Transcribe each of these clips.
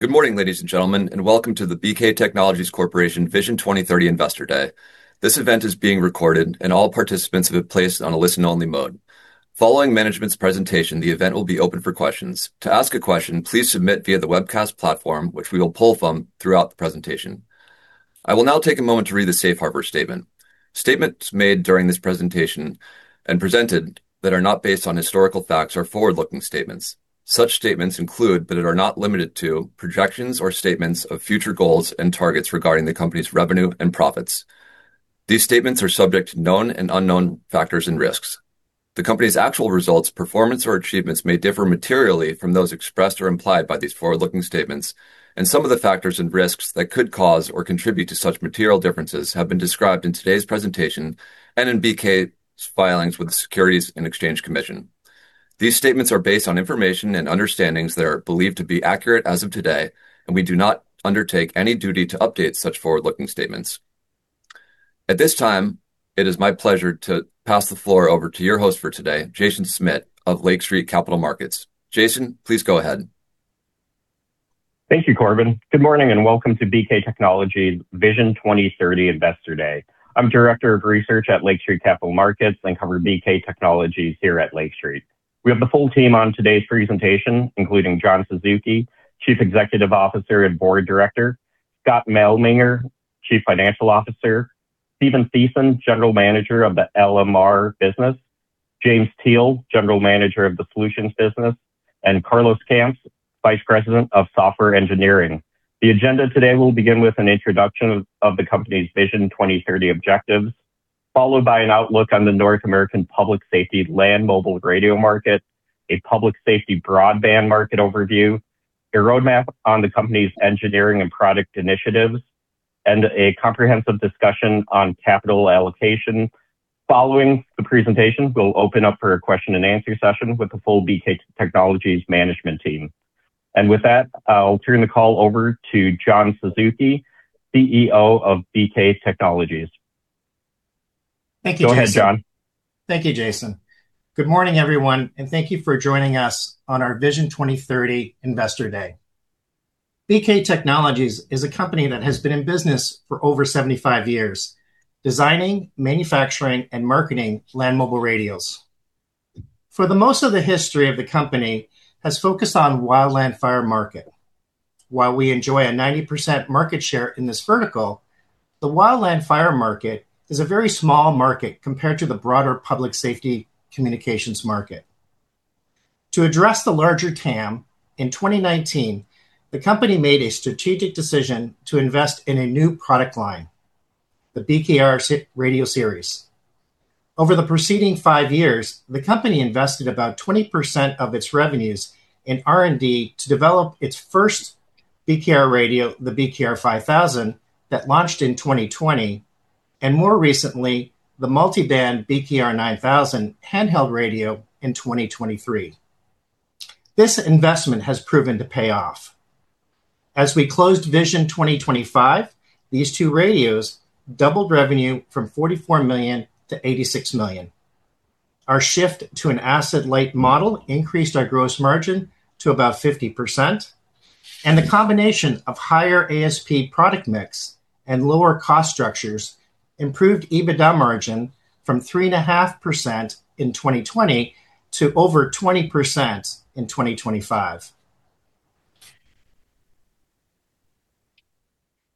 Good morning, ladies and gentlemen, and welcome to the BK Technologies Corporation Vision 2030 Investor Day. This event is being recorded, and all participants have been placed on a listen-only mode. Following management's presentation, the event will be open for questions. To ask a question, please submit via the webcast platform, which we will pull from throughout the presentation. I will now take a moment to read the safe harbor statement. Statements made during this presentation and presented that are not based on historical facts are forward-looking statements. Such statements include, but are not limited to, projections or statements of future goals and targets regarding the company's revenue and profits. These statements are subject to known and unknown factors and risks. The company's actual results, performance, or achievements may differ materially from those expressed or implied by these forward-looking statements, and some of the factors and risks that could cause or contribute to such material differences have been described in today's presentation and in BK's filings with the Securities and Exchange Commission. These statements are based on information and understandings that are believed to be accurate as of today, and we do not undertake any duty to update such forward-looking statements. At this time, it is my pleasure to pass the floor over to your host for today, Jaeson Schmidt of Lake Street Capital Markets. Jaeson, please go ahead. Thank you, Corbin. Good morning and welcome to BK Technologies Vision 2030 Investor Day. I'm Director of Research at Lake Street Capital Markets, and I cover BK Technologies here at Lake Street. We have the full team on today's presentation, including John Suzuki, Chief Executive Officer and Board Director, Scott Malmanger, Chief Financial Officer, Stephen Theisen, General Manager of the LMR Business, James Teel, General Manager of the Solutions Business, and Carlos Camps, Vice President of Software Engineering. The agenda today will begin with an introduction of the company's Vision 2030 objectives, followed by an outlook on the North American public safety Land Mobile Radio market, a public safety broadband market overview, a roadmap on the company's engineering and product initiatives, and a comprehensive discussion on capital allocation. Following the presentation, we'll open up for a question and answer session with the full BK Technologies management team. With that, I'll turn the call over to John Suzuki, CEO of BK Technologies. Thank you, Jaeson. Go ahead, John. Thank you, Jaeson. Good morning, everyone, and thank you for joining us on our Vision 2030 Investor Day. BK Technologies is a company that has been in business for over 75 years, designing, manufacturing, and marketing Land Mobile Radios. For most of the history of the company has focused on wildland fire market. While we enjoy a 90% market share in this vertical, the wildland fire market is a very small market compared to the broader public safety communications market. To address the larger TAM, in 2019, the company made a strategic decision to invest in a new product line, the BKR Series Radio. Over the preceding five years, the company invested about 20% of its revenues in R&D to develop its first BKR radio, the BKR 5000, that launched in 2020, and more recently, the multiband BKR 9000 handheld radio in 2023. This investment has proven to pay off. As we closed Vision 2025, these two radios doubled revenue from $44 million to $86 million. Our shift to an asset-light model increased our gross margin to about 50%. The combination of higher ASP product mix and lower cost structures improved EBITDA margin from 3.5% in 2020 to over 20% in 2025.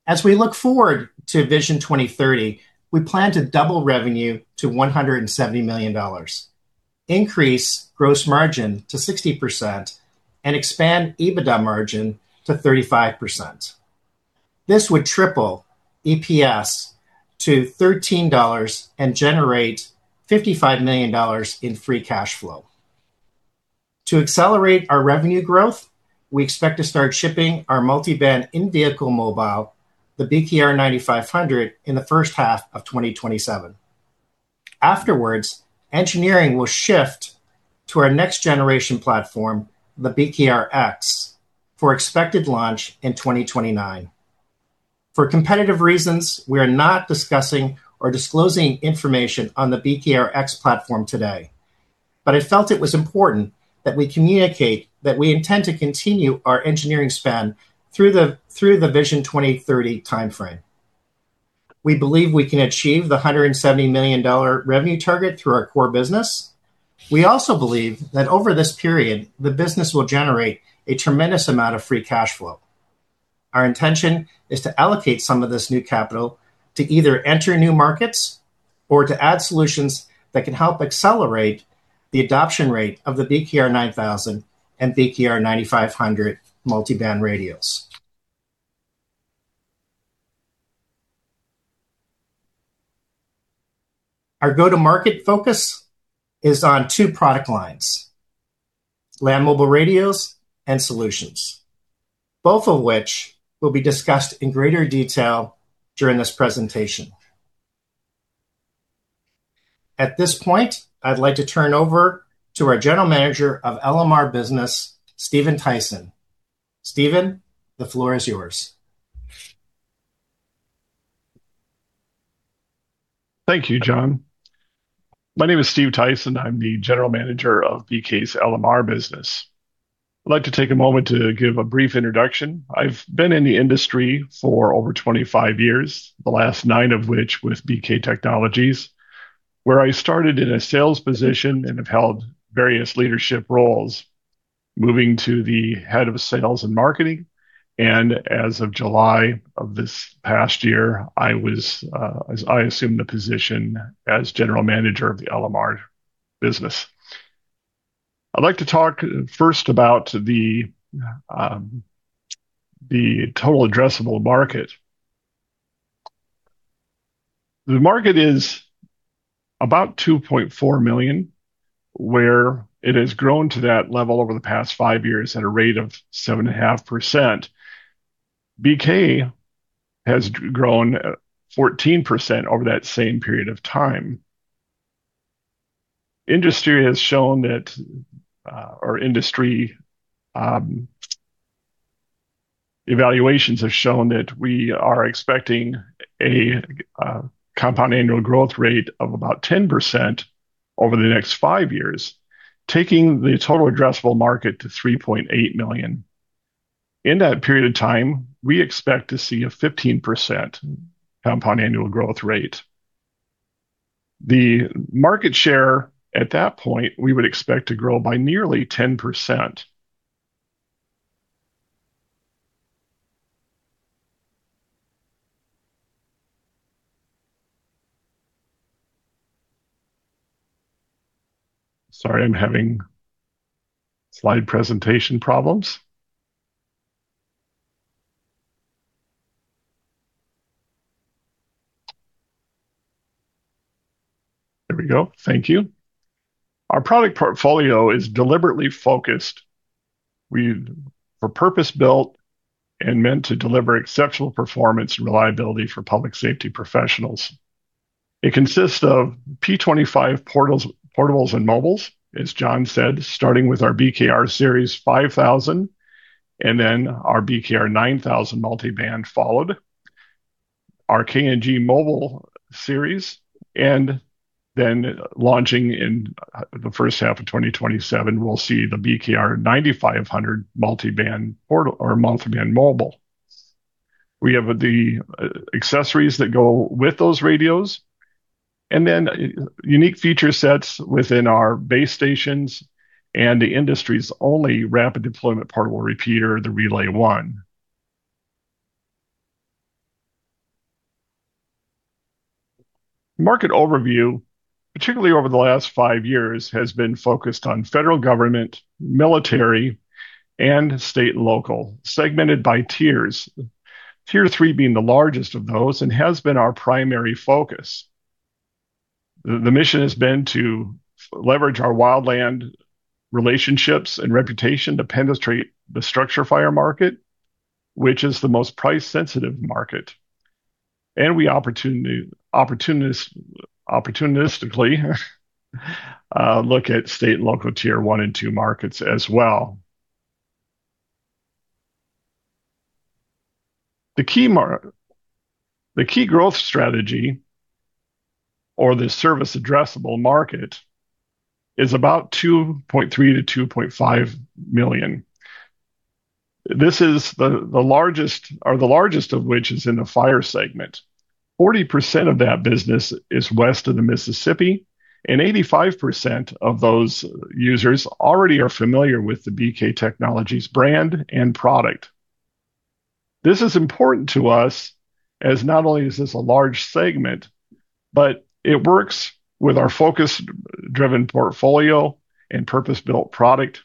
As we look forward to Vision 2030, we plan to double revenue to $170 million, increase gross margin to 60%, and expand EBITDA margin to 35%. This would triple EPS to $13 and generate $55 million in free cash flow. To accelerate our revenue growth, we expect to start shipping our multiband in-vehicle mobile, the BKR 9500, in the first half of 2027. Afterwards, engineering will shift to our next generation platform, the BKRX, for expected launch in 2029. For competitive reasons, we are not discussing or disclosing information on the BKRX platform today. I felt it was important that we communicate that we intend to continue our engineering spend through the Vision 2030 timeframe. We believe we can achieve the $170 million revenue target through our core business. We also believe that over this period, the business will generate a tremendous amount of free cash flow. Our intention is to allocate some of this new capital to either enter new markets or to add solutions that can help accelerate the adoption rate of the BKR 9000 and BKR 9500 multiband radios. Our go-to-market focus is on two product lines, Land Mobile Radios and solutions, both of which will be discussed in greater detail during this presentation. At this point, I'd like to turn over to our General Manager of LMR Business, Stephen Theisen. Stephen, the floor is yours. Thank you, John. My name is Steve Theisen. I'm the General Manager of BK's LMR business. I'd like to take a moment to give a brief introduction. I've been in the industry for over 25 years, the last nine of which with BK Technologies, where I started in a sales position and have held various leadership roles, moving to the head of sales and marketing. As of July of this past year, I was, as I assumed the position as General Manager of the LMR business. I'd like to talk first about the total addressable market. The market is about $2.4 million, where it has grown to that level over the past five years at a rate of 7.5%. BK has grown at 14% over that same period of time. Industry has shown that, or industry evaluations have shown that we are expecting a compound annual growth rate of about 10% over the next five years, taking the total addressable market to $3.8 million. In that period of time, we expect to see a 15% compound annual growth rate. The market share at that point, we would expect to grow by nearly 10%. Sorry, I'm having slide presentation problems. There we go. Thank you. Our product portfolio is deliberately focused for purpose-built and meant to deliver exceptional performance and reliability for public safety professionals. It consists of P25 portables and mobiles, as John said, starting with our BKR 5000, and then our BKR 9000 multi-band followed by our KNG mobile series, and then launching in the first half of 2027, we'll see the BKR 9500 multi-band portable or multi-band mobile. We have the accessories that go with those radios, and then unique feature sets within our base stations and the industry's only rapid deployment portable repeater, the RelayONE. Market overview, particularly over the last five years, has been focused on federal government, military, and state and local, segmented by tiers. Tier 3 being the largest of those and has been our primary focus. The mission has been to leverage our wildland relationships and reputation to penetrate the structure fire market, which is the most price-sensitive market. We opportunistically look at state and local Tier 1 and two markets as well. The key growth strategy or the service addressable market is about $2.3 mllion-$2.5 million. This is the largest of which is in the fire segment. 40% of that business is west of the Mississippi, and 85% of those users already are familiar with the BK Technologies brand and product. This is important to us as not only is this a large segment, but it works with our focus-driven portfolio and purpose-built product.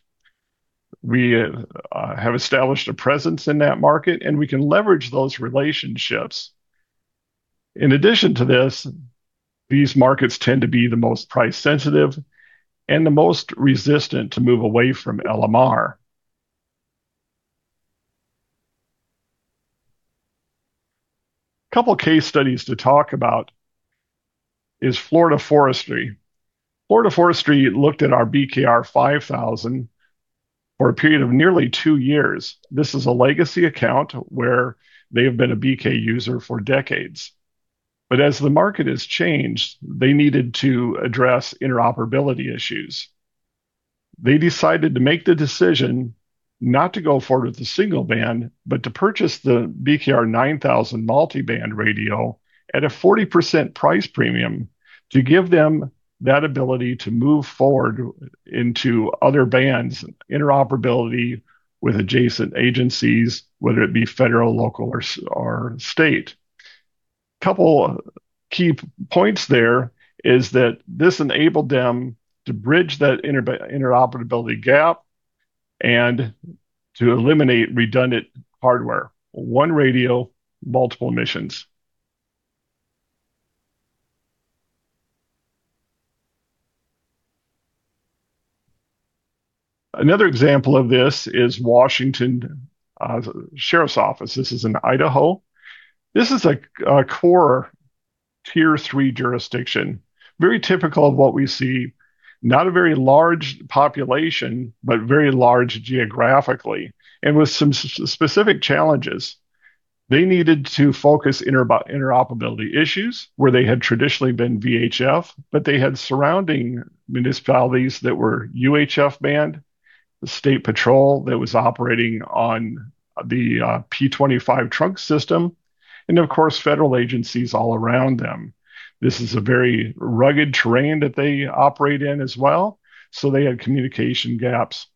We have established a presence in that market, and we can leverage those relationships. In addition to this, these markets tend to be the most price sensitive and the most resistant to move away from LMR. Couple case studies to talk about is Florida Forestry. Florida Forestry looked at our BKR 5000 for a period of nearly two years. This is a legacy account where they have been a BK user for decades. As the market has changed, they needed to address interoperability issues. They decided to make the decision not to go forward with the single band, but to purchase the BKR 9000 multiband radio at a 40% price premium to give them that ability to move forward into other bands, interoperability with adjacent agencies, whether it be federal, local or state. A couple key points there is that this enabled them to bridge that interoperability gap and to eliminate redundant hardware. One radio, multiple missions. Another example of this is Washington County Sheriff's Office. This is in Idaho. This is a core Tier 3 jurisdiction. Very typical of what we see, not a very large population, but very large geographically and with some specific challenges. They needed to focus on interoperability issues where they had traditionally been VHF, but they had surrounding municipalities that were UHF band, the state patrol that was operating on the P25 trunk system, and of course, federal agencies all around them. This is a very rugged terrain that they operate in as well, so they had communication gaps.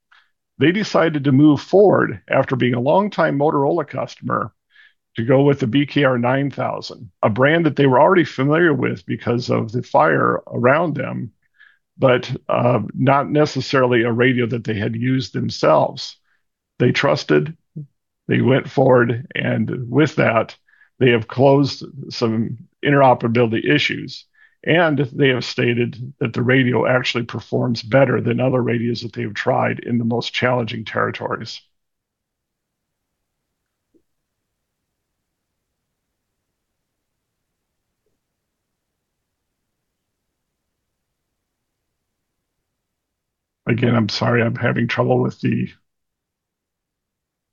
They decided to move forward after being a long-time Motorola customer to go with the BKR 9000, a brand that they were already familiar with because of the fire around them, but not necessarily a radio that they had used themselves. They trusted, they went forward, and with that, they have closed some interoperability issues, and they have stated that the radio actually performs better than other radios that they have tried in the most challenging territories. Again, I'm sorry I'm having trouble with the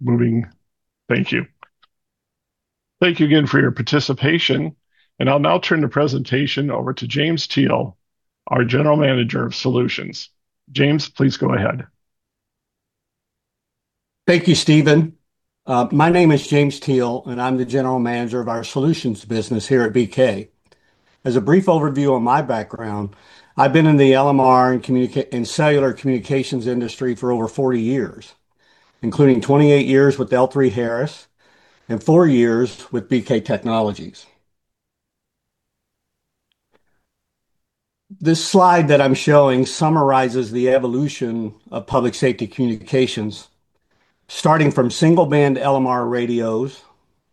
moving. Thank you. Thank you again for your participation, and I'll now turn the presentation over to James Teel, our General Manager of Solutions. James, please go ahead. Thank you, Stephen. My name is James Teel, and I'm the General Manager of our Solutions business here at BK. As a brief overview on my background, I've been in the LMR and cellular communications industry for over 40 years, including 28 years with L3Harris and four years with BK Technologies. This slide that I'm showing summarizes the evolution of public safety communications, starting from single-band LMR radios,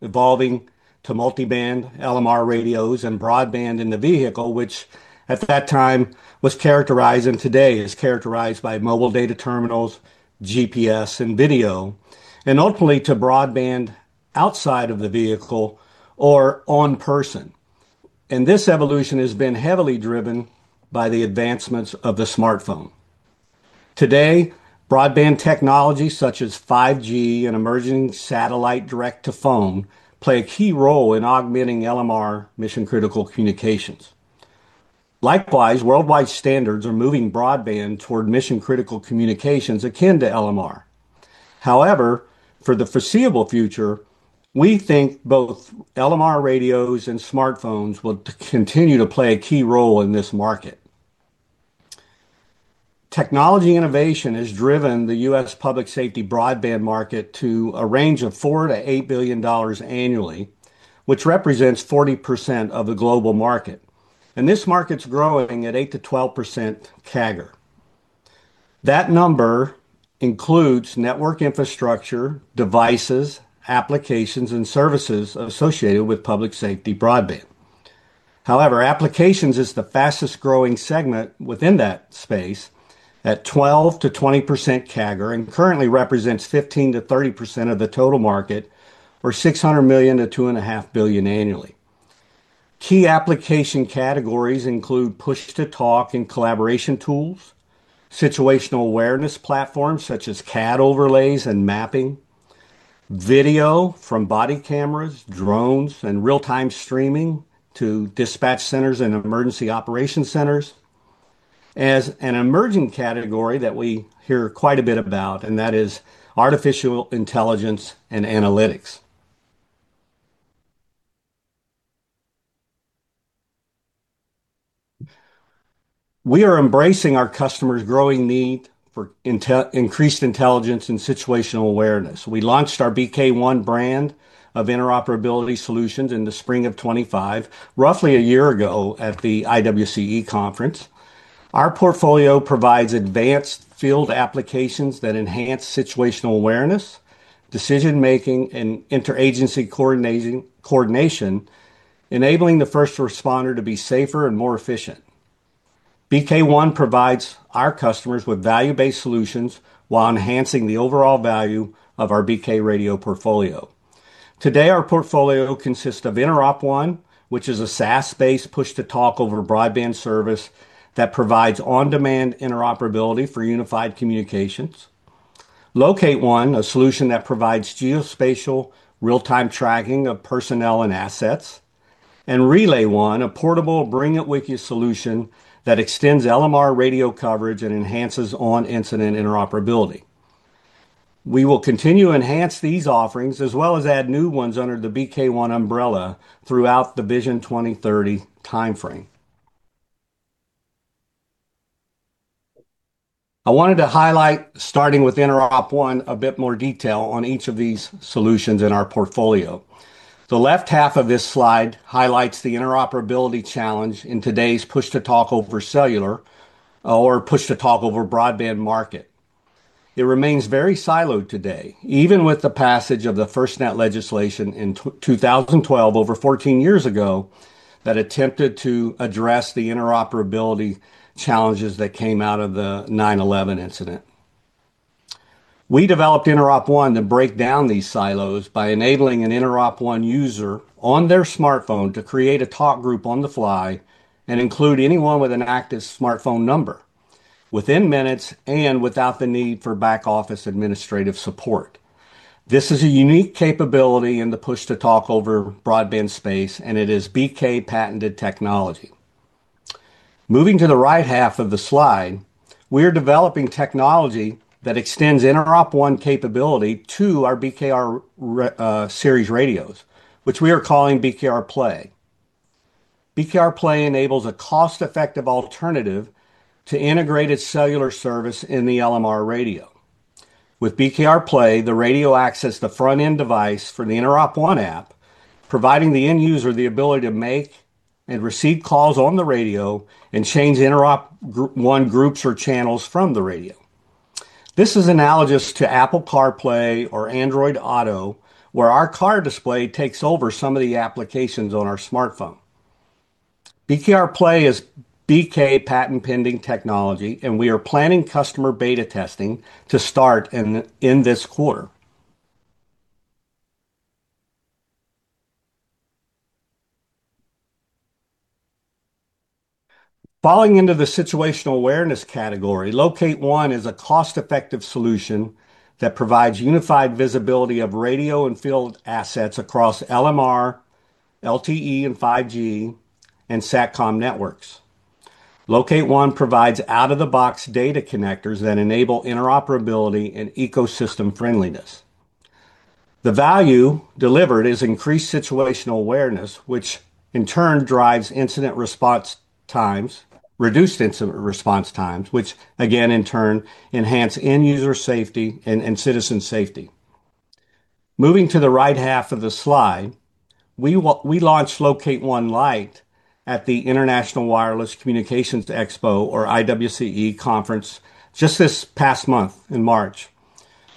evolving to multi-band LMR radios and broadband in the vehicle, which at that time was characterized and today is characterized by mobile data terminals, GPS, and video, and ultimately to broadband outside of the vehicle or on person. This evolution has been heavily driven by the advancements of the smartphone. Today, broadband technology such as 5G and emerging satellite direct-to-phone play a key role in augmenting LMR mission-critical communications. Likewise, worldwide standards are moving broadband toward mission-critical communications akin to LMR. However, for the foreseeable future, we think both LMR radios and smartphones will continue to play a key role in this market. Technology innovation has driven the U.S. public safety broadband market to a range of $4 billion-$8 billion annually, which represents 40% of the global market. This market's growing at 8%-12% CAGR. That number includes network infrastructure, devices, applications, and services associated with public safety broadband. However, applications is the fastest-growing segment within that space at 12%-20% CAGR, and currently represents 15%-30% of the total market, or $600 million-$2.5 billion annually. Key application categories include push-to-talk and collaboration tools, situational awareness platforms such as CAD overlays and mapping, video from body cameras, drones, and real-time streaming to dispatch centers and emergency operation centers, as an emerging category that we hear quite a bit about, and that is artificial intelligence and analytics. We are embracing our customers' growing need for increased intelligence and situational awareness. We launched our BK ONE brand of interoperability solutions in the spring of 2025, roughly a year ago at the IWCE conference. Our portfolio provides advanced field applications that enhance situational awareness, decision-making, and inter-agency coordination, enabling the first responder to be safer and more efficient. BK ONE provides our customers with value-based solutions while enhancing the overall value of our BK Radio portfolio. Today, our portfolio consists of InteropONE, which is a SaaS-based push-to-talk over broadband service that provides on-demand interoperability for unified communications. LocateONE, a solution that provides geospatial real-time tracking of personnel and assets. RelayONE, a portable bring-it-with-you solution that extends LMR radio coverage and enhances on-incident interoperability. We will continue to enhance these offerings as well as add new ones under the BK ONE umbrella throughout the Vision 2030 timeframe. I wanted to highlight, starting with InteropONE, a bit more detail on each of these solutions in our portfolio. The left half of this slide highlights the interoperability challenge in today's push-to-talk over cellular or push-to-talk over broadband market. It remains very siloed today, even with the passage of the FirstNet legislation in 2012, over 14 years ago, that attempted to address the interoperability challenges that came out of the 9/11 incident. We developed InteropONE to break down these silos by enabling an InteropONE user on their smartphone to create a talk group on the fly and include anyone with an active smartphone number within minutes and without the need for back-office administrative support. This is a unique capability in the push-to-talk over broadband space, and it is BK patented technology. Moving to the right half of the slide, we are developing technology that extends InteropONE capability to our BKR Series radios, which we are calling BKRplay. BKRplay enables a cost-effective alternative to integrated cellular service in the LMR radio. With BKRplay, the radio acts as the front-end device for the InteropONE app, providing the end user the ability to make and receive calls on the radio and change InteropONE groups or channels from the radio. This is analogous to Apple CarPlay or Android Auto, where our car display takes over some of the applications on our smartphone. BKRplay is BK patent-pending technology, and we are planning customer beta testing to start in this quarter. Falling into the situational awareness category, LocateONE is a cost-effective solution that provides unified visibility of radio and field assets across LMR, LTE and 5G, and SatCom networks. LocateONE provides out-of-the-box data connectors that enable interoperability and ecosystem friendliness. The value delivered is increased situational awareness, which in turn drives reduced incident response times, which again in turn enhance end-user safety and citizen safety. Moving to the right half of the slide, we launched LocateONE LITE at the International Wireless Communications Expo, or IWCE, conference just this past month in March.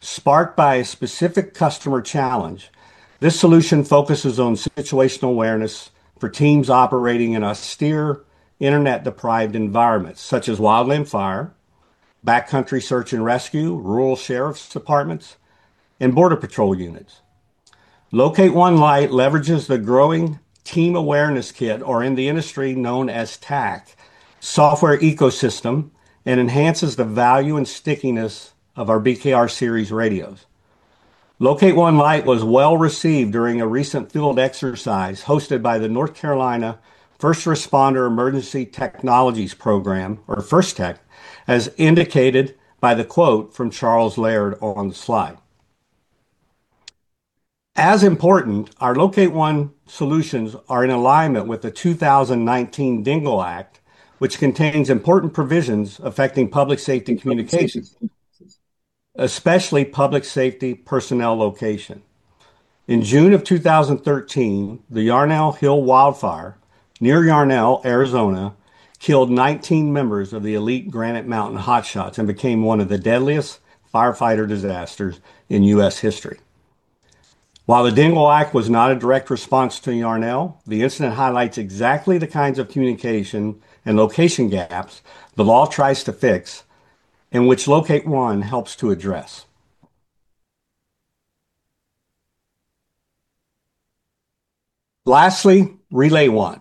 Sparked by a specific customer challenge, this solution focuses on situational awareness for teams operating in austere Internet-deprived environments such as wildland fire, backcountry search and rescue, rural sheriff's departments, and border patrol units. LocateONE LITE leverages the growing Team Awareness Kit, or in the industry known as TAK, software ecosystem and enhances the value and stickiness of our BKR Series radios. LocateONE LITE was well received during a recent field exercise hosted by the North Carolina First Responder Emerging Technologies Program, or FirstTech, as indicated by the quote from Charles Laird on the slide. As important, our LocateONE solutions are in alignment with the 2019 Dingell Act, which contains important provisions affecting public safety communications, especially public safety personnel location. In June 2013, the Yarnell Hill wildfire near Yarnell, Arizona, killed 19 members of the elite Granite Mountain Hotshots and became one of the deadliest firefighter disasters in U.S. history. While the Dingell Act was not a direct response to Yarnell, the incident highlights exactly the kinds of communication and location gaps the law tries to fix and which LocateONE helps to address. Lastly, RelayONE.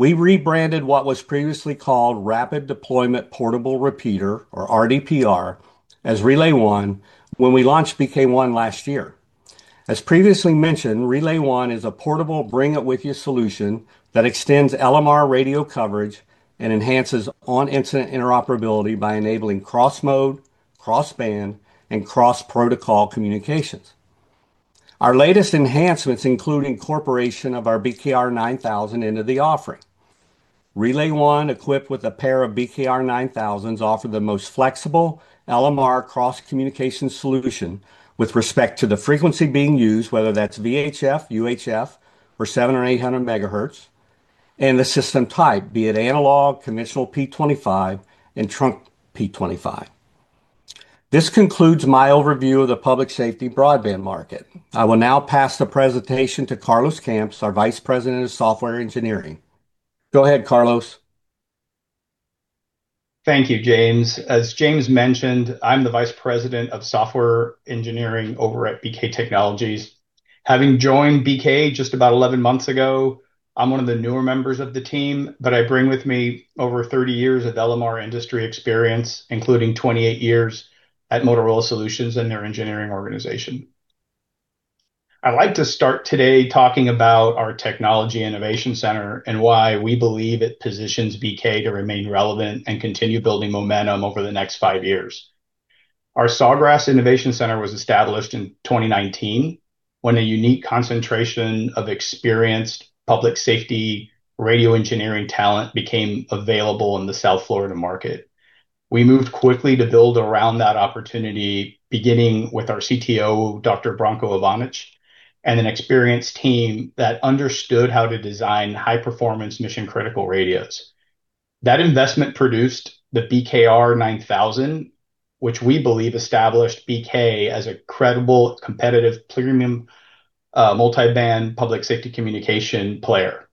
We rebranded what was previously called Rapid Deployment Portable Repeater, or RDPR, as RelayONE when we launched BK ONE last year. As previously mentioned, RelayONE is a portable bring-it-with-you solution that extends LMR radio coverage and enhances on-incident interoperability by enabling cross-mode, cross-band, and cross-protocol communications. Our latest enhancements include incorporation of our BKR 9000 into the offering. RelayONE, equipped with a pair of BKR 9000s, offer the most flexible LMR cross-communication solution with respect to the frequency being used, whether that's VHF, UHF, or 700 MHz or 800 MHz, and the system type, be it analog, conventional P25, and trunk P25. This concludes my overview of the public safety broadband market. I will now pass the presentation to Carlos Camps, our Vice President of Software Engineering. Go ahead, Carlos. Thank you, James. As James mentioned, I'm the Vice President of Software Engineering over at BK Technologies. Having joined BK just about 11 months ago, I'm one of the newer members of the team, but I bring with me over 30 years of LMR industry experience, including 28 years at Motorola Solutions in their engineering organization. I'd like to start today talking about our Technology Innovation Center and why we believe it positions BK to remain relevant and continue building momentum over the next five years. Our Sawgrass Innovation Center was established in 2019 when a unique concentration of experienced public safety radio engineering talent became available in the South Florida market. We moved quickly to build around that opportunity, beginning with our CTO, Dr. Branko Avanic, and an experienced team that understood how to design high-performance mission-critical radios. That investment produced the BKR 9000, which we believe established BK as a credible, competitive, premium, multiband public safety communication player.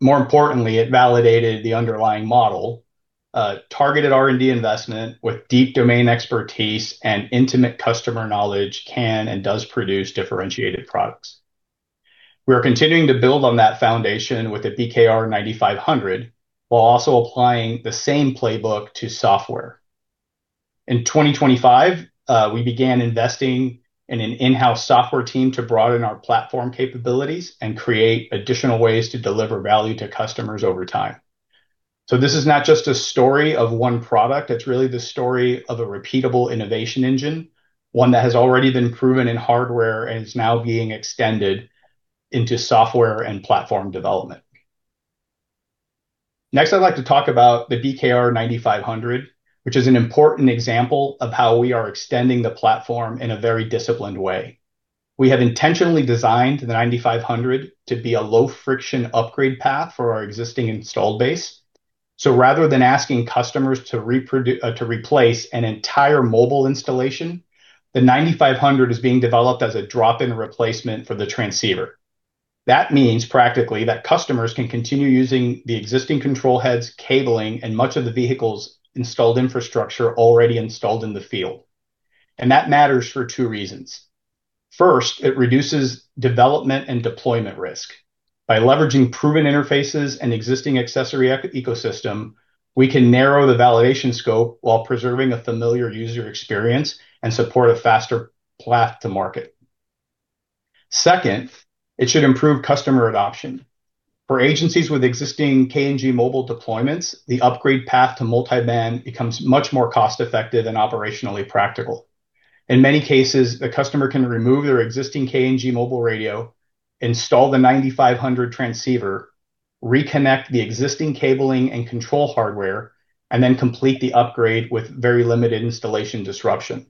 More importantly, it validated the underlying model. Targeted R&D investment with deep domain expertise and intimate customer knowledge can and does produce differentiated products. We are continuing to build on that foundation with the BKR 9500 while also applying the same playbook to software. In 2025, we began investing in an in-house software team to broaden our platform capabilities and create additional ways to deliver value to customers over time. This is not just a story of one product, it's really the story of a repeatable innovation engine, one that has already been proven in hardware and is now being extended into software and platform development. Next, I'd like to talk about the BKR 9500, which is an important example of how we are extending the platform in a very disciplined way. We have intentionally designed the 9500 to be a low-friction upgrade path for our existing installed base. Rather than asking customers to to replace an entire mobile installation, the 9500 is being developed as a drop-in replacement for the transceiver. That means practically that customers can continue using the existing control heads, cabling, and much of the vehicle's installed infrastructure already installed in the field. That matters for two reasons. First, it reduces development and deployment risk. By leveraging proven interfaces and existing accessory ecosystem, we can narrow the validation scope while preserving a familiar user experience and support a faster path to market. Second, it should improve customer adoption. For agencies with existing KNG mobile deployments, the upgrade path to multi-band becomes much more cost-effective and operationally practical. In many cases, a customer can remove their existing KNG mobile radio, install the BKR 9500 transceiver, reconnect the existing cabling and control hardware, and then complete the upgrade with very limited installation disruption.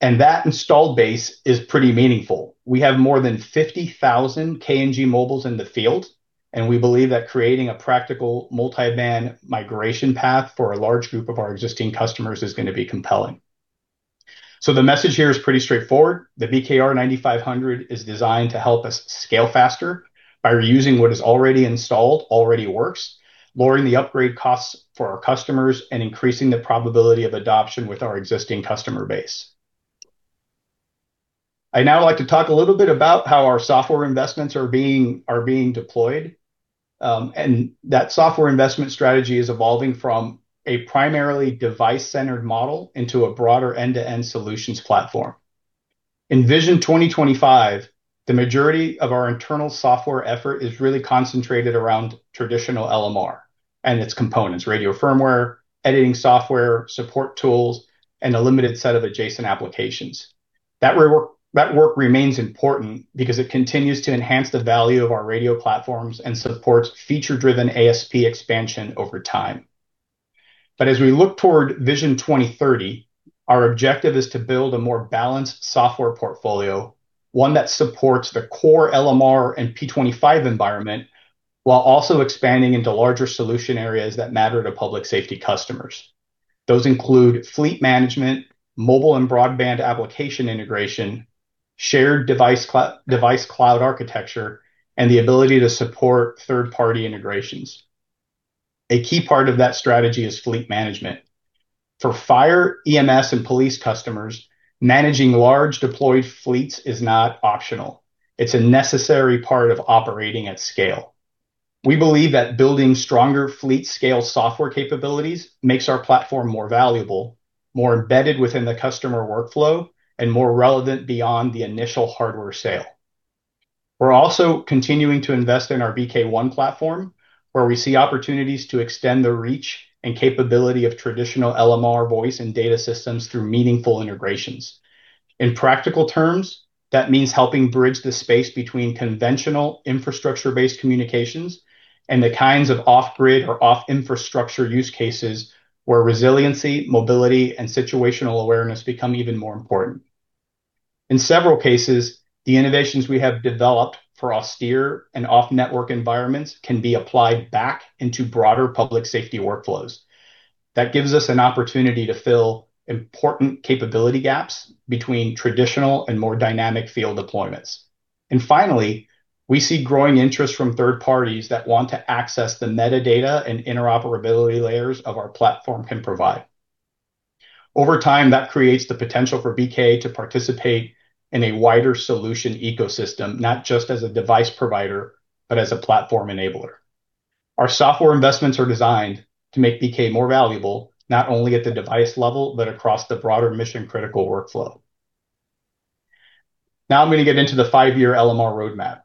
That installed base is pretty meaningful. We have more than 50,000 KNG mobiles in the field, and we believe that creating a practical multi-band migration path for a large group of our existing customers is going to be compelling. The message here is pretty straightforward. The BKR 9500 is designed to help us scale faster by reusing what is already installed, already works, lowering the upgrade costs for our customers, and increasing the probability of adoption with our existing customer base. I'd now like to talk a little bit about how our software investments are being deployed. That software investment strategy is evolving from a primarily device-centered model into a broader end-to-end solutions platform. In Vision 2025, the majority of our internal software effort is really concentrated around traditional LMR and its components, radio firmware, editing software, support tools, and a limited set of adjacent applications. That work remains important because it continues to enhance the value of our radio platforms and supports feature-driven ASP expansion over time. As we look toward Vision 2030, our objective is to build a more balanced software portfolio, one that supports the core LMR and P25 environment while also expanding into larger solution areas that matter to public safety customers. Those include fleet management, mobile and broadband application integration, shared device cloud architecture, and the ability to support third-party integrations. A key part of that strategy is fleet management. For fire, EMS, and police customers, managing large deployed fleets is not optional. It's a necessary part of operating at scale. We believe that building stronger fleet scale software capabilities makes our platform more valuable, more embedded within the customer workflow, and more relevant beyond the initial hardware sale. We're also continuing to invest in our BK ONE platform, where we see opportunities to extend the reach and capability of traditional LMR voice and data systems through meaningful integrations. In practical terms, that means helping bridge the space between conventional infrastructure-based communications and the kinds of off-grid or off-infrastructure use cases where resiliency, mobility, and situational awareness become even more important. In several cases, the innovations we have developed for austere and off-network environments can be applied back into broader public safety workflows. That gives us an opportunity to fill important capability gaps between traditional and more dynamic field deployments. Finally, we see growing interest from third parties that want to access the metadata and interoperability layers that our platform can provide. Over time, that creates the potential for BK to participate in a wider solution ecosystem, not just as a device provider, but as a platform enabler. Our software investments are designed to make BK more valuable, not only at the device level, but across the broader mission-critical workflow. Now I'm going to get into the five-year LMR roadmap.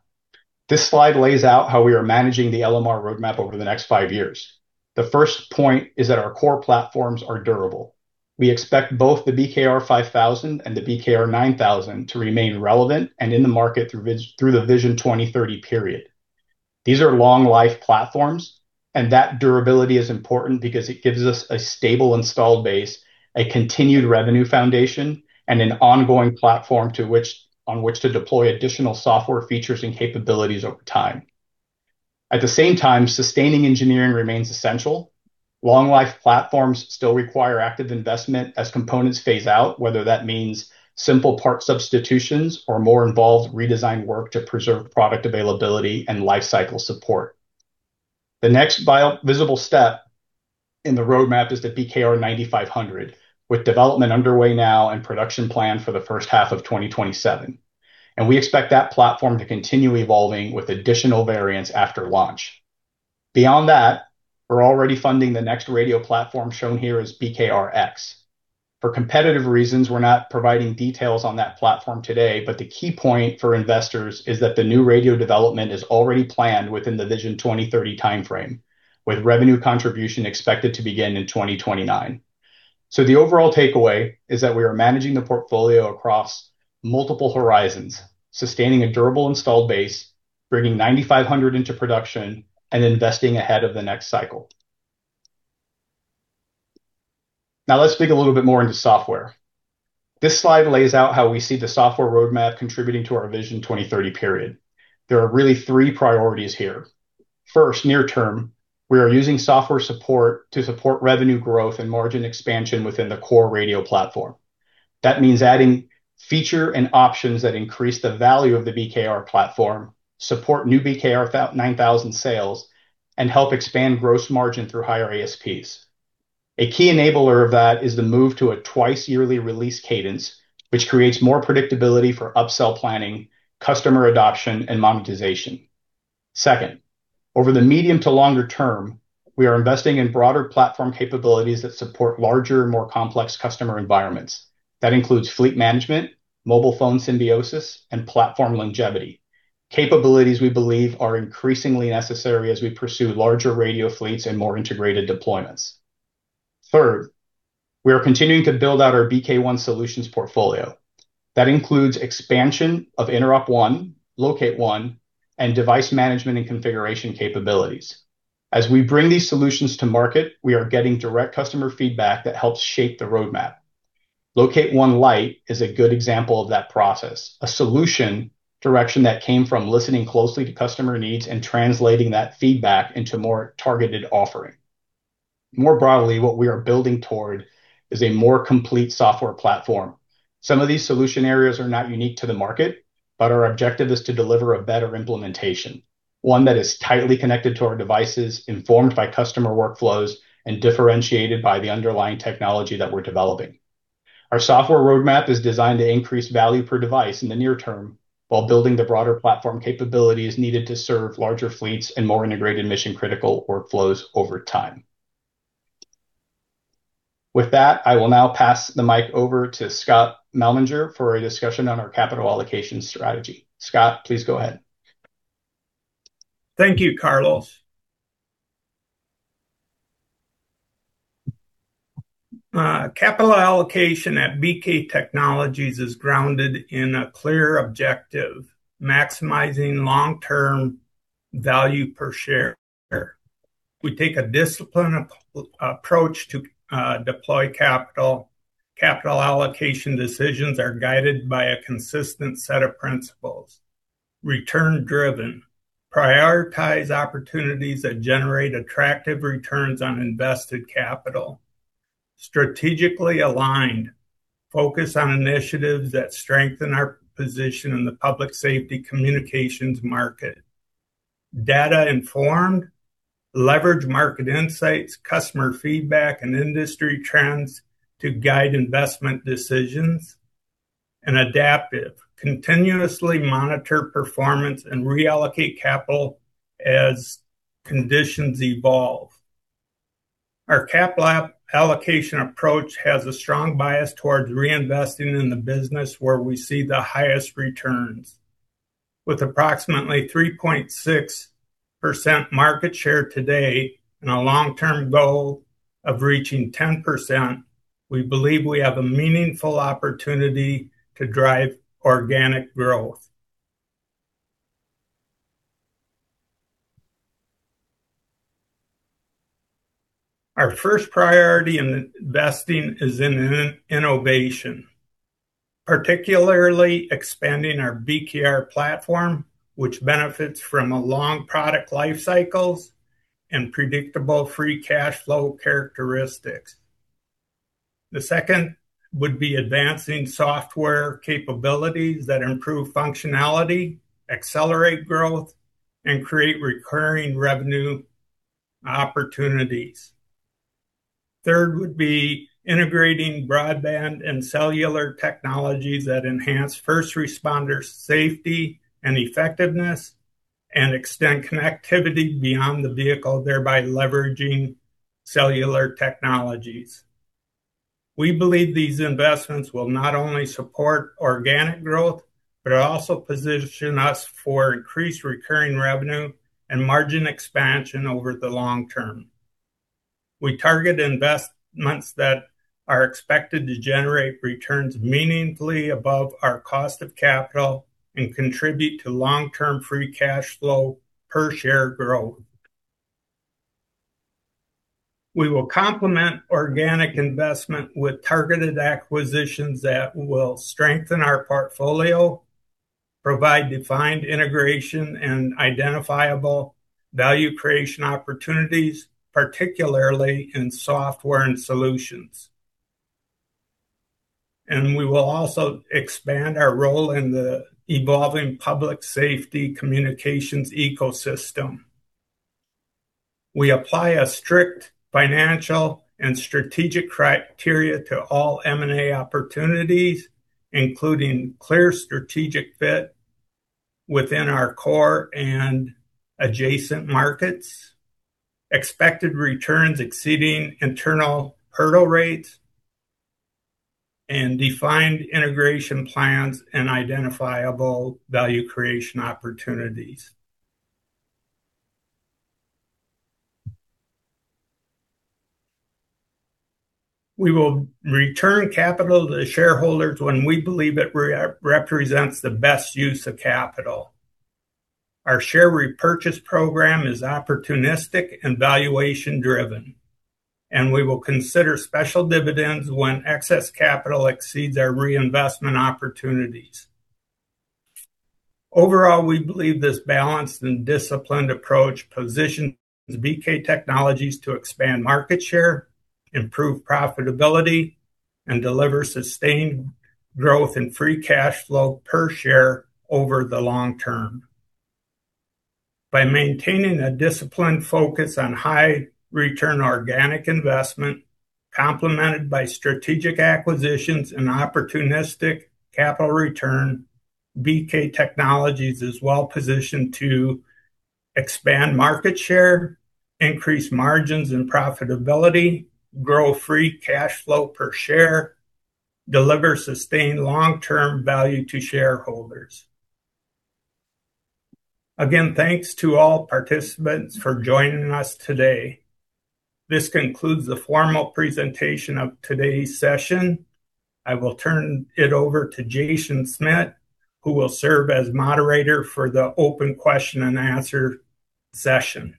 This slide lays out how we are managing the LMR roadmap over the next five years. The first point is that our core platforms are durable. We expect both the BKR 5000 and the BKR 9000 to remain relevant and in the market through the Vision 2030 period. These are long-life platforms, and that durability is important because it gives us a stable installed base, a continued revenue foundation, and an ongoing platform on which to deploy additional software features and capabilities over time. At the same time, sustaining engineering remains essential. Long-life platforms still require active investment as components phase out, whether that means simple part substitutions or more involved redesign work to preserve product availability and life cycle support. The next visible step in the roadmap is the BKR 9500, with development underway now and production planned for the first half of 2027. We expect that platform to continue evolving with additional variants after launch. Beyond that, we're already funding the next radio platform, shown here as BKRX. For competitive reasons, we're not providing details on that platform today, but the key point for investors is that the new radio development is already planned within the Vision 2030 timeframe, with revenue contribution expected to begin in 2029. The overall takeaway is that we are managing the portfolio across multiple horizons, sustaining a durable installed base, bringing 9500 into production, and investing ahead of the next cycle. Now let's dig a little bit more into software. This slide lays out how we see the software roadmap contributing to our Vision 2030 period. There are really three priorities here. First, near term, we are using software support to support revenue growth and margin expansion within the core radio platform. That means adding feature and options that increase the value of the BKR platform, support new BKR 9000 sales, and help expand gross margin through higher ASPs. A key enabler of that is the move to a twice-yearly release cadence, which creates more predictability for upsell planning, customer adoption, and monetization. Second, over the medium to longer term, we are investing in broader platform capabilities that support larger, more complex customer environments. That includes fleet management, mobile phone symbiosis, and platform longevity. Capabilities we believe are increasingly necessary as we pursue larger radio fleets and more integrated deployments. Third, we are continuing to build out our BK ONE solutions portfolio. That includes expansion of InteropONE, LocateONE, and device management and configuration capabilities. As we bring these solutions to market, we are getting direct customer feedback that helps shape the roadmap. LocateONE LITE is a good example of that process, a solution direction that came from listening closely to customer needs and translating that feedback into more targeted offering. More broadly, what we are building toward is a more complete software platform. Some of these solution areas are not unique to the market, but our objective is to deliver a better implementation, one that is tightly connected to our devices, informed by customer workflows, and differentiated by the underlying technology that we're developing. Our software roadmap is designed to increase value per device in the near term while building the broader platform capabilities needed to serve larger fleets and more integrated mission-critical workflows over time. With that, I will now pass the mic over to Scott Malmanger for a discussion on our capital allocation strategy. Scott, please go ahead. Thank you, Carlos. Capital allocation at BK Technologies is grounded in a clear objective: maximizing long-term value per share. We take a disciplined approach to deploy capital. Capital allocation decisions are guided by a consistent set of principles. Return-driven. Prioritize opportunities that generate attractive returns on invested capital. Strategically aligned. Focus on initiatives that strengthen our position in the public safety communications market. Data-informed. Leverage market insights, customer feedback, and industry trends to guide investment decisions. Adaptive. Continuously monitor performance and reallocate capital as conditions evolve. Our capital allocation approach has a strong bias towards reinvesting in the business where we see the highest returns. With approximately 3.6% market share today and a long-term goal of reaching 10%, we believe we have a meaningful opportunity to drive organic growth. Our first priority in investing is in innovation, particularly expanding our BKR platform, which benefits from a long product life cycles and predictable free cash flow characteristics. The second would be advancing software capabilities that improve functionality, accelerate growth, and create recurring revenue opportunities. Third would be integrating broadband and cellular technologies that enhance first responders' safety and effectiveness and extend connectivity beyond the vehicle, thereby leveraging cellular technologies. We believe these investments will not only support organic growth but also position us for increased recurring revenue and margin expansion over the long term. We target investments that are expected to generate returns meaningfully above our cost of capital and contribute to long-term free cash flow per share growth. We will complement organic investment with targeted acquisitions that will strengthen our portfolio, provide defined integration, and identifiable value creation opportunities, particularly in software and solutions. We will also expand our role in the evolving public safety communications ecosystem. We apply a strict financial and strategic criteria to all M&A opportunities, including clear strategic fit within our core and adjacent markets, expected returns exceeding internal hurdle rates, and defined integration plans and identifiable value creation opportunities. We will return capital to shareholders when we believe it represents the best use of capital. Our share repurchase program is opportunistic and valuation-driven, and we will consider special dividends when excess capital exceeds our reinvestment opportunities. Overall, we believe this balanced and disciplined approach positions BK Technologies to expand market share, improve profitability, and deliver sustained growth in free cash flow per share over the long term. By maintaining a disciplined focus on high return organic investment, complemented by strategic acquisitions and opportunistic capital return, BK Technologies is well-positioned to expand market share, increase margins and profitability, grow free cash flow per share, deliver sustained long-term value to shareholders. Again, thanks to all participants for joining us today. This concludes the formal presentation of today's session. I will turn it over to Jaeson Schmidt, who will serve as moderator for the open question-and-answer session.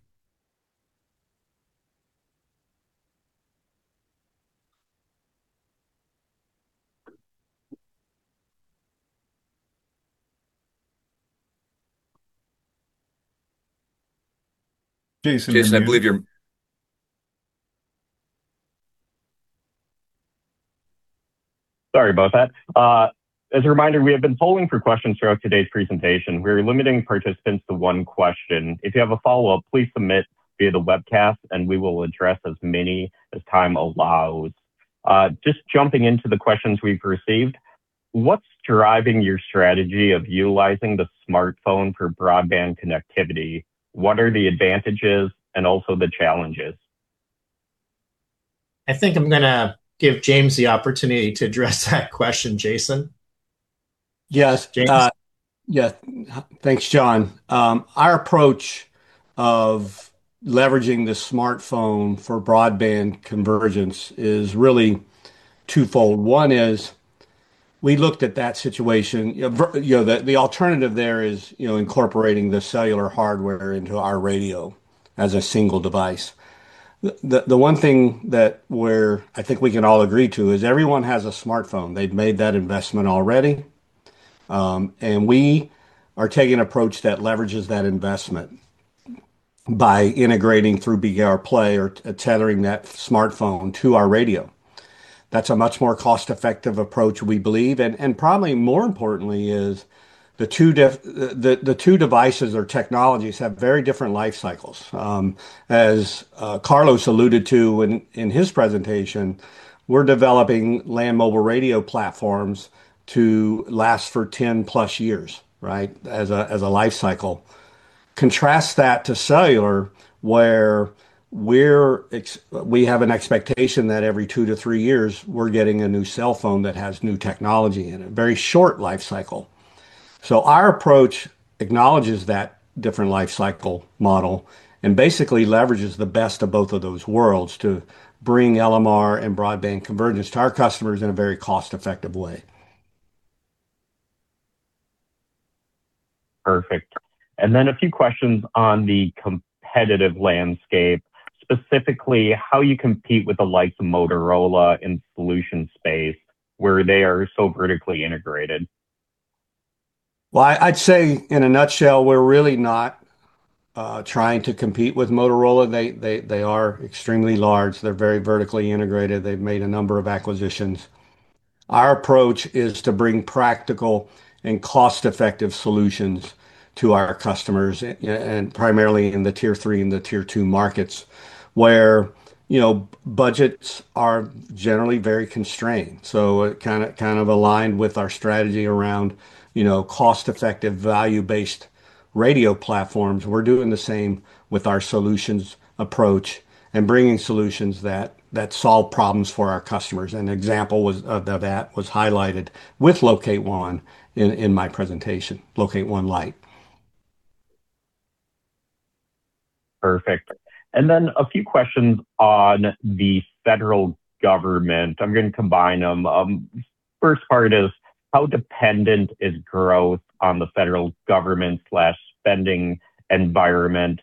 Sorry about that. As a reminder, we have been polling for questions throughout today's presentation. We're limiting participants to one question. If you have a follow-up, please submit via the webcast, and we will address as many as time allows. Just jumping into the questions we've received, what's driving your strategy of utilizing the smartphone for broadband connectivity? What are the advantages and also the challenges? I think I'm gonna give James the opportunity to address that question, Jaeson. Yes. James. Yeah. Thanks, John. Our approach of leveraging the smartphone for broadband convergence is really twofold. One is we looked at that situation. You know, the alternative there is, you know, incorporating the cellular hardware into our radio as a single device. The one thing I think we can all agree to is everyone has a smartphone. They've made that investment already. We are taking an approach that leverages that investment by integrating through BKRplay or tethering that smartphone to our radio. That's a much more cost-effective approach, we believe. Probably more importantly, the two devices or technologies have very different life cycles. As Carlos alluded to in his presentation, we're developing Land Mobile Radio platforms to last for 10+ years, right? As a life cycle. Contrast that to cellular, where we have an expectation that every two to three years we're getting a new cell phone that has new technology in it. Very short life cycle. Our approach acknowledges that different life cycle model and basically leverages the best of both of those worlds to bring LMR and broadband convergence to our customers in a very cost-effective way. Perfect. A few questions on the competitive landscape, specifically how you compete with the likes of Motorola in solution space where they are so vertically integrated? Well, I'd say in a nutshell, we're really not trying to compete with Motorola. They are extremely large. They're very vertically integrated. They've made a number of acquisitions. Our approach is to bring practical and cost-effective solutions to our customers, and primarily in the Tier 3 and the Tier 2 markets, where you know, budgets are generally very constrained. It kind of aligned with our strategy around you know, cost-effective, value-based radio platforms. We're doing the same with our solutions approach and bringing solutions that solve problems for our customers. An example of that was highlighted with LocateONE in my presentation. LocateONE LITE. Perfect. A few questions on the federal government. I'm gonna combine them. First part is how dependent is growth on the federal government spending environment?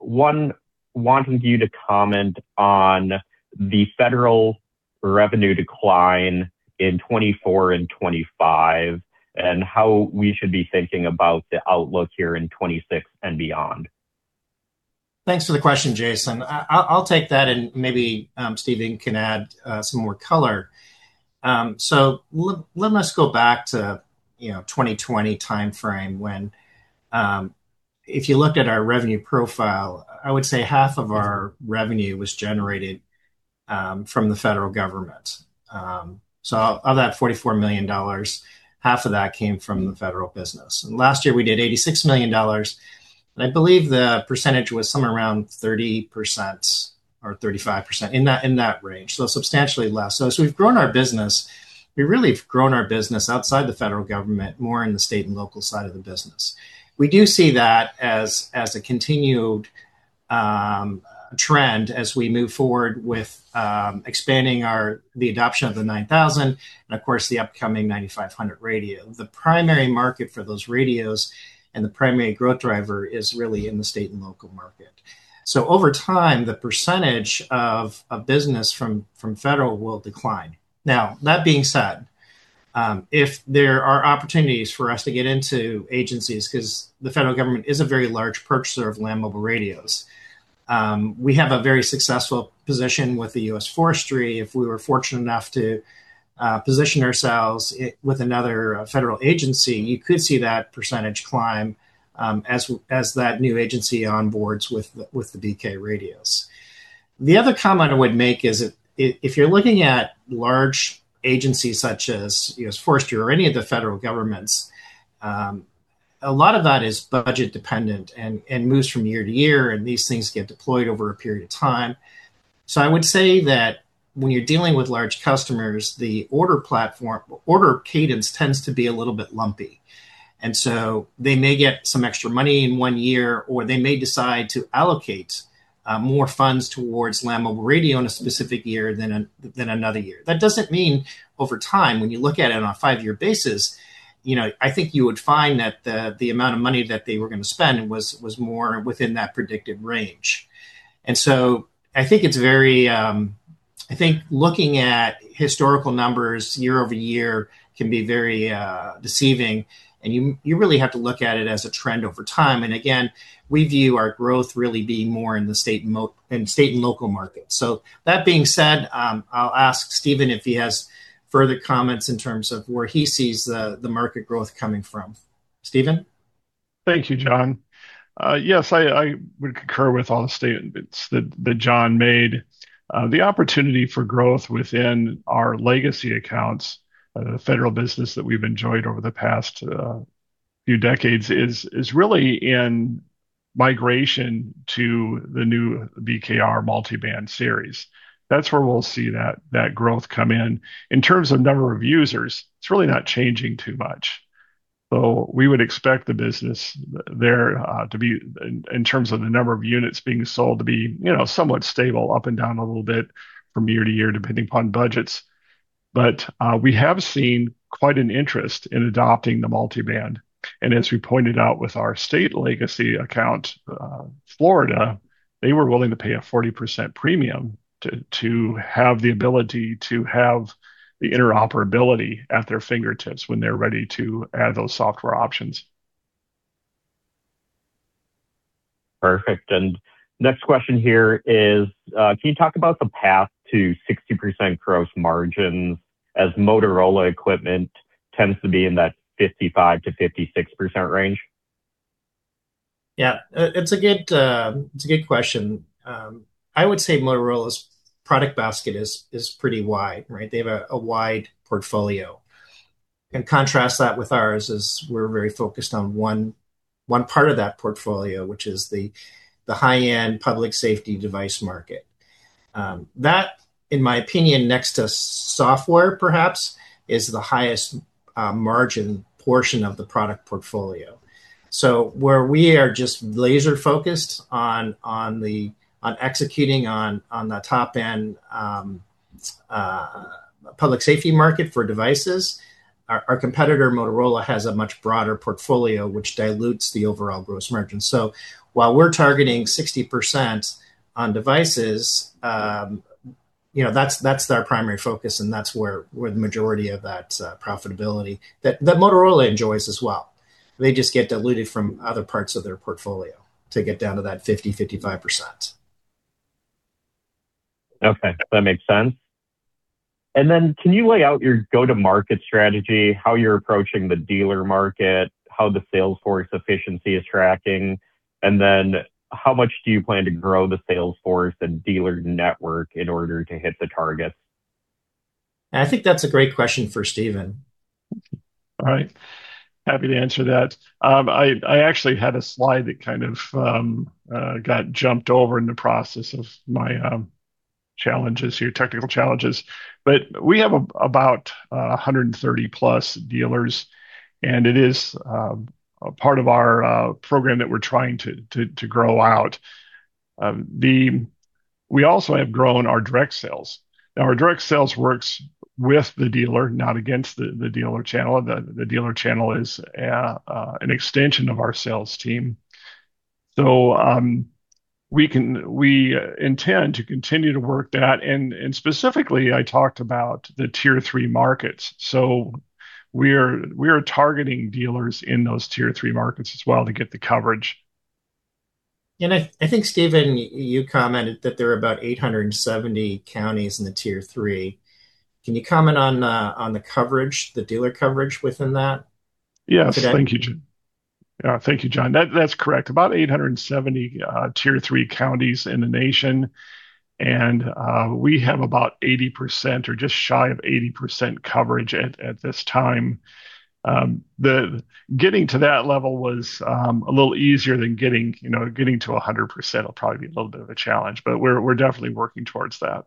One wanting you to comment on the federal revenue decline in 2024 and 2025, and how we should be thinking about the outlook here in 2026 and beyond. Thanks for the question, Jaeson. I'll take that, and maybe Stephen can add some more color. Let us go back to, you know, 2020 timeframe when, if you looked at our revenue profile, I would say half of our revenue was generated from the federal government. Of that $44 million, half of that came from the federal business. Last year we did $86 million, and I believe the percentage was somewhere around 30% or 35%, in that range. Substantially less. As we've grown our business, we really have grown our business outside the federal government, more in the state and local side of the business. We do see that as a continued trend as we move forward with expanding the adoption of the 9000 and, of course, the upcoming 9500 radio. The primary market for those radios and the primary growth driver is really in the state and local market. Over time, the percentage of business from federal will decline. Now, that being said, if there are opportunities for us to get into agencies, 'cause the federal government is a very large purchaser of Land Mobile Radios, we have a very successful position with the U.S. Forestry. If we were fortunate enough to position ourselves with another federal agency, you could see that percentage climb, as that new agency onboards with the BK radios. The other comment I would make is if you're looking at large agencies such as U.S. Forestry or any of the federal governments, a lot of that is budget dependent and moves from year to year, and these things get deployed over a period of time. I would say that when you're dealing with large customers, the order cadence tends to be a little bit lumpy. They may get some extra money in one year, or they may decide to allocate more funds towards Land Mobile Radio in a specific year than another year. That doesn't mean over time, when you look at it on a five-year basis, you know, I think you would find that the amount of money that they were gonna spend was more within that predictive range. I think looking at historical numbers year over year can be very deceiving, and you really have to look at it as a trend over time. Again, we view our growth really being more in the state and local markets. That being said, I'll ask Stephen if he has further comments in terms of where he sees the market growth coming from. Stephen? Thank you, John. Yes, I would concur with all the statements that John made. The opportunity for growth within our legacy accounts, the federal business that we've enjoyed over the past few decades is really in migration to the new BKR multiband series. That's where we'll see that growth come in. In terms of number of users, it's really not changing too much. We would expect the business there to be in terms of the number of units being sold to be, you know, somewhat stable, up and down a little bit from year to year, depending upon budgets. We have seen quite an interest in adopting the multiband. As we pointed out with our state legacy account, Florida, they were willing to pay a 40% premium to have the ability to have the interoperability at their fingertips when they're ready to add those software options. Perfect. Next question here is, can you talk about the path to 60% gross margins as Motorola equipment tends to be in that 55%-56% range? Yeah. It's a good question. I would say Motorola's product basket is pretty wide, right? They have a wide portfolio. Contrast that with ours, as we're very focused on one part of that portfolio, which is the high-end public safety device market. In my opinion, next to software perhaps, that is the highest margin portion of the product portfolio. Where we are just laser-focused on executing on the top-end public safety market for devices, our competitor, Motorola, has a much broader portfolio which dilutes the overall gross margin. While we're targeting 60% on devices, you know, that's our primary focus, and that's where the majority of that profitability that Motorola enjoys as well. They just get diluted from other parts of their portfolio to get down to that 50%-55%. Okay. That makes sense. Can you lay out your go-to-market strategy, how you're approaching the dealer market, how the sales force efficiency is tracking, and then how much do you plan to grow the sales force and dealer network in order to hit the targets? I think that's a great question for Stephen. All right. Happy to answer that. I actually had a slide that kind of got jumped over in the process of my challenges here, technical challenges. We have about 130+ dealers, and it is a part of our program that we're trying to grow out. We also have grown our direct sales. Now, our direct sales works with the dealer, not against the dealer channel. The dealer channel is an extension of our sales team. We intend to continue to work that. Specifically, I talked about the Tier 3 markets. We are targeting dealers in those Tier 3 markets as well to get the coverage. I think, Stephen, you commented that there are about 870 counties in the Tier 3. Can you comment on the coverage, the dealer coverage within that today? Thank you, John. That's correct. About 870 Tier 3 counties in the nation, and we have about 80% or just shy of 80% coverage at this time. Getting to that level was a little easier than getting to 100% will probably be a little bit of a challenge, but we're definitely working towards that.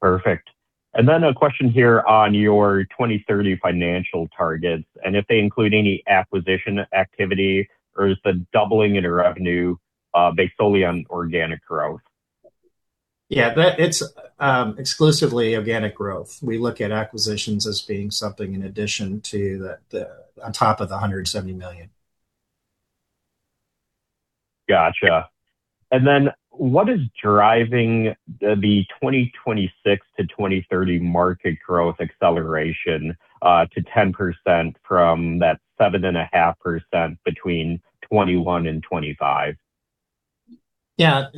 Perfect. A question here on your 2030 financial targets, and if they include any acquisition activity or is the doubling in revenue based solely on organic growth? Yeah. That's exclusively organic growth. We look at acquisitions as being something in addition to that on top of the $170 million. Gotcha. What is driving the 2026 to 2030 market growth acceleration to 10% from that 7.5% between 2021 and 2025? Yeah.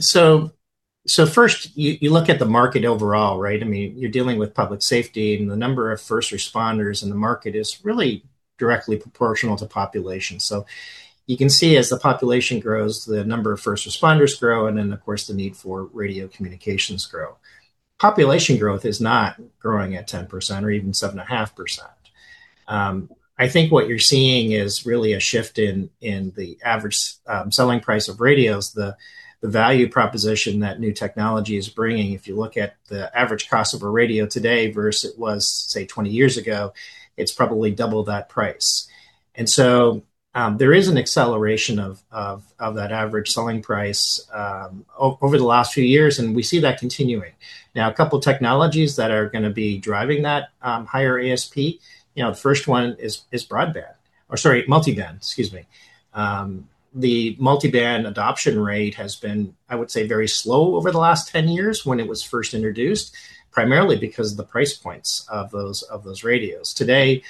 First you look at the market overall, right? I mean, you're dealing with public safety, and the number of first responders in the market is really directly proportional to population. You can see as the population grows, the number of first responders grow, and then, of course, the need for radio communications grow. Population growth is not growing at 10% or even 7.5%. I think what you're seeing is really a shift in the average selling price of radios, the value proposition that new technology is bringing. If you look at the average cost of a radio today versus it was, say, 20 years ago, it's probably double that price. There is an acceleration of that average selling price over the last few years, and we see that continuing. Now, a couple of technologies that are gonna be driving that higher ASP, you know, the first one is multi-band. The multi-band adoption rate has been, I would say, very slow over the last 10 years when it was first introduced, primarily because of the price points of those radios. Today,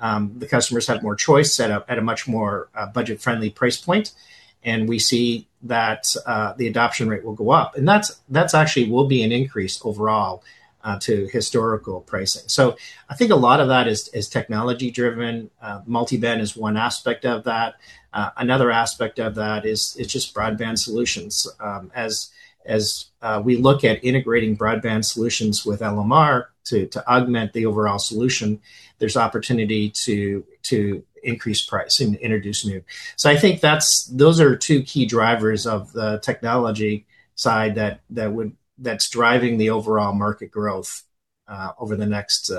the customers have more choice at a much more budget-friendly price point, and we see that the adoption rate will go up. That's actually will be an increase overall to historical pricing. I think a lot of that is technology-driven. Multi-band is one aspect of that. Another aspect of that is it's just broadband solutions. As we look at integrating broadband solutions with LMR to augment the overall solution, there's opportunity to increase price and introduce new. I think those are two key drivers of the technology side that's driving the overall market growth over the next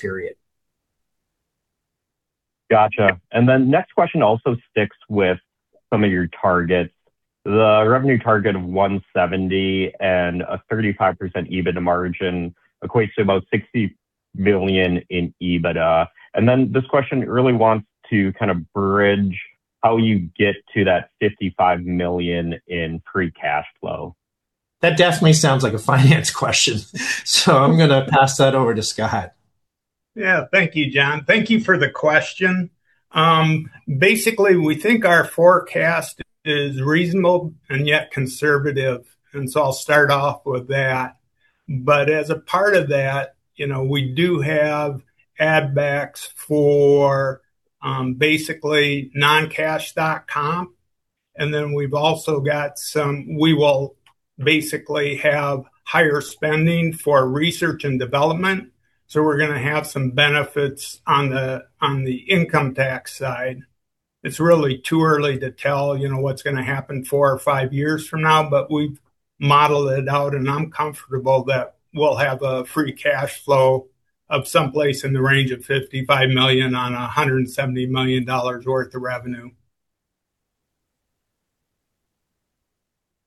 period. Gotcha. Then next question also sticks with some of your targets. The revenue target of $170 million and a 35% EBITDA margin equates to about $60 million in EBITDA. Then this question really wants to kind of bridge how you get to that $55 million in free cash flow. That definitely sounds like a finance question, so I'm gonna pass that over to Scott. Thank you, John. Thank you for the question. Basically, we think our forecast is reasonable and yet conservative, and so I'll start off with that. As a part of that, you know, we do have add backs for basically non-cash stock comp, and then we will basically have higher spending for research and development, so we're gonna have some benefits on the income tax side. It's really too early to tell, you know, what's gonna happen four or five years from now, but we've modeled it out, and I'm comfortable that we'll have a free cash flow of someplace in the range of $55 million on $170 million worth of revenue.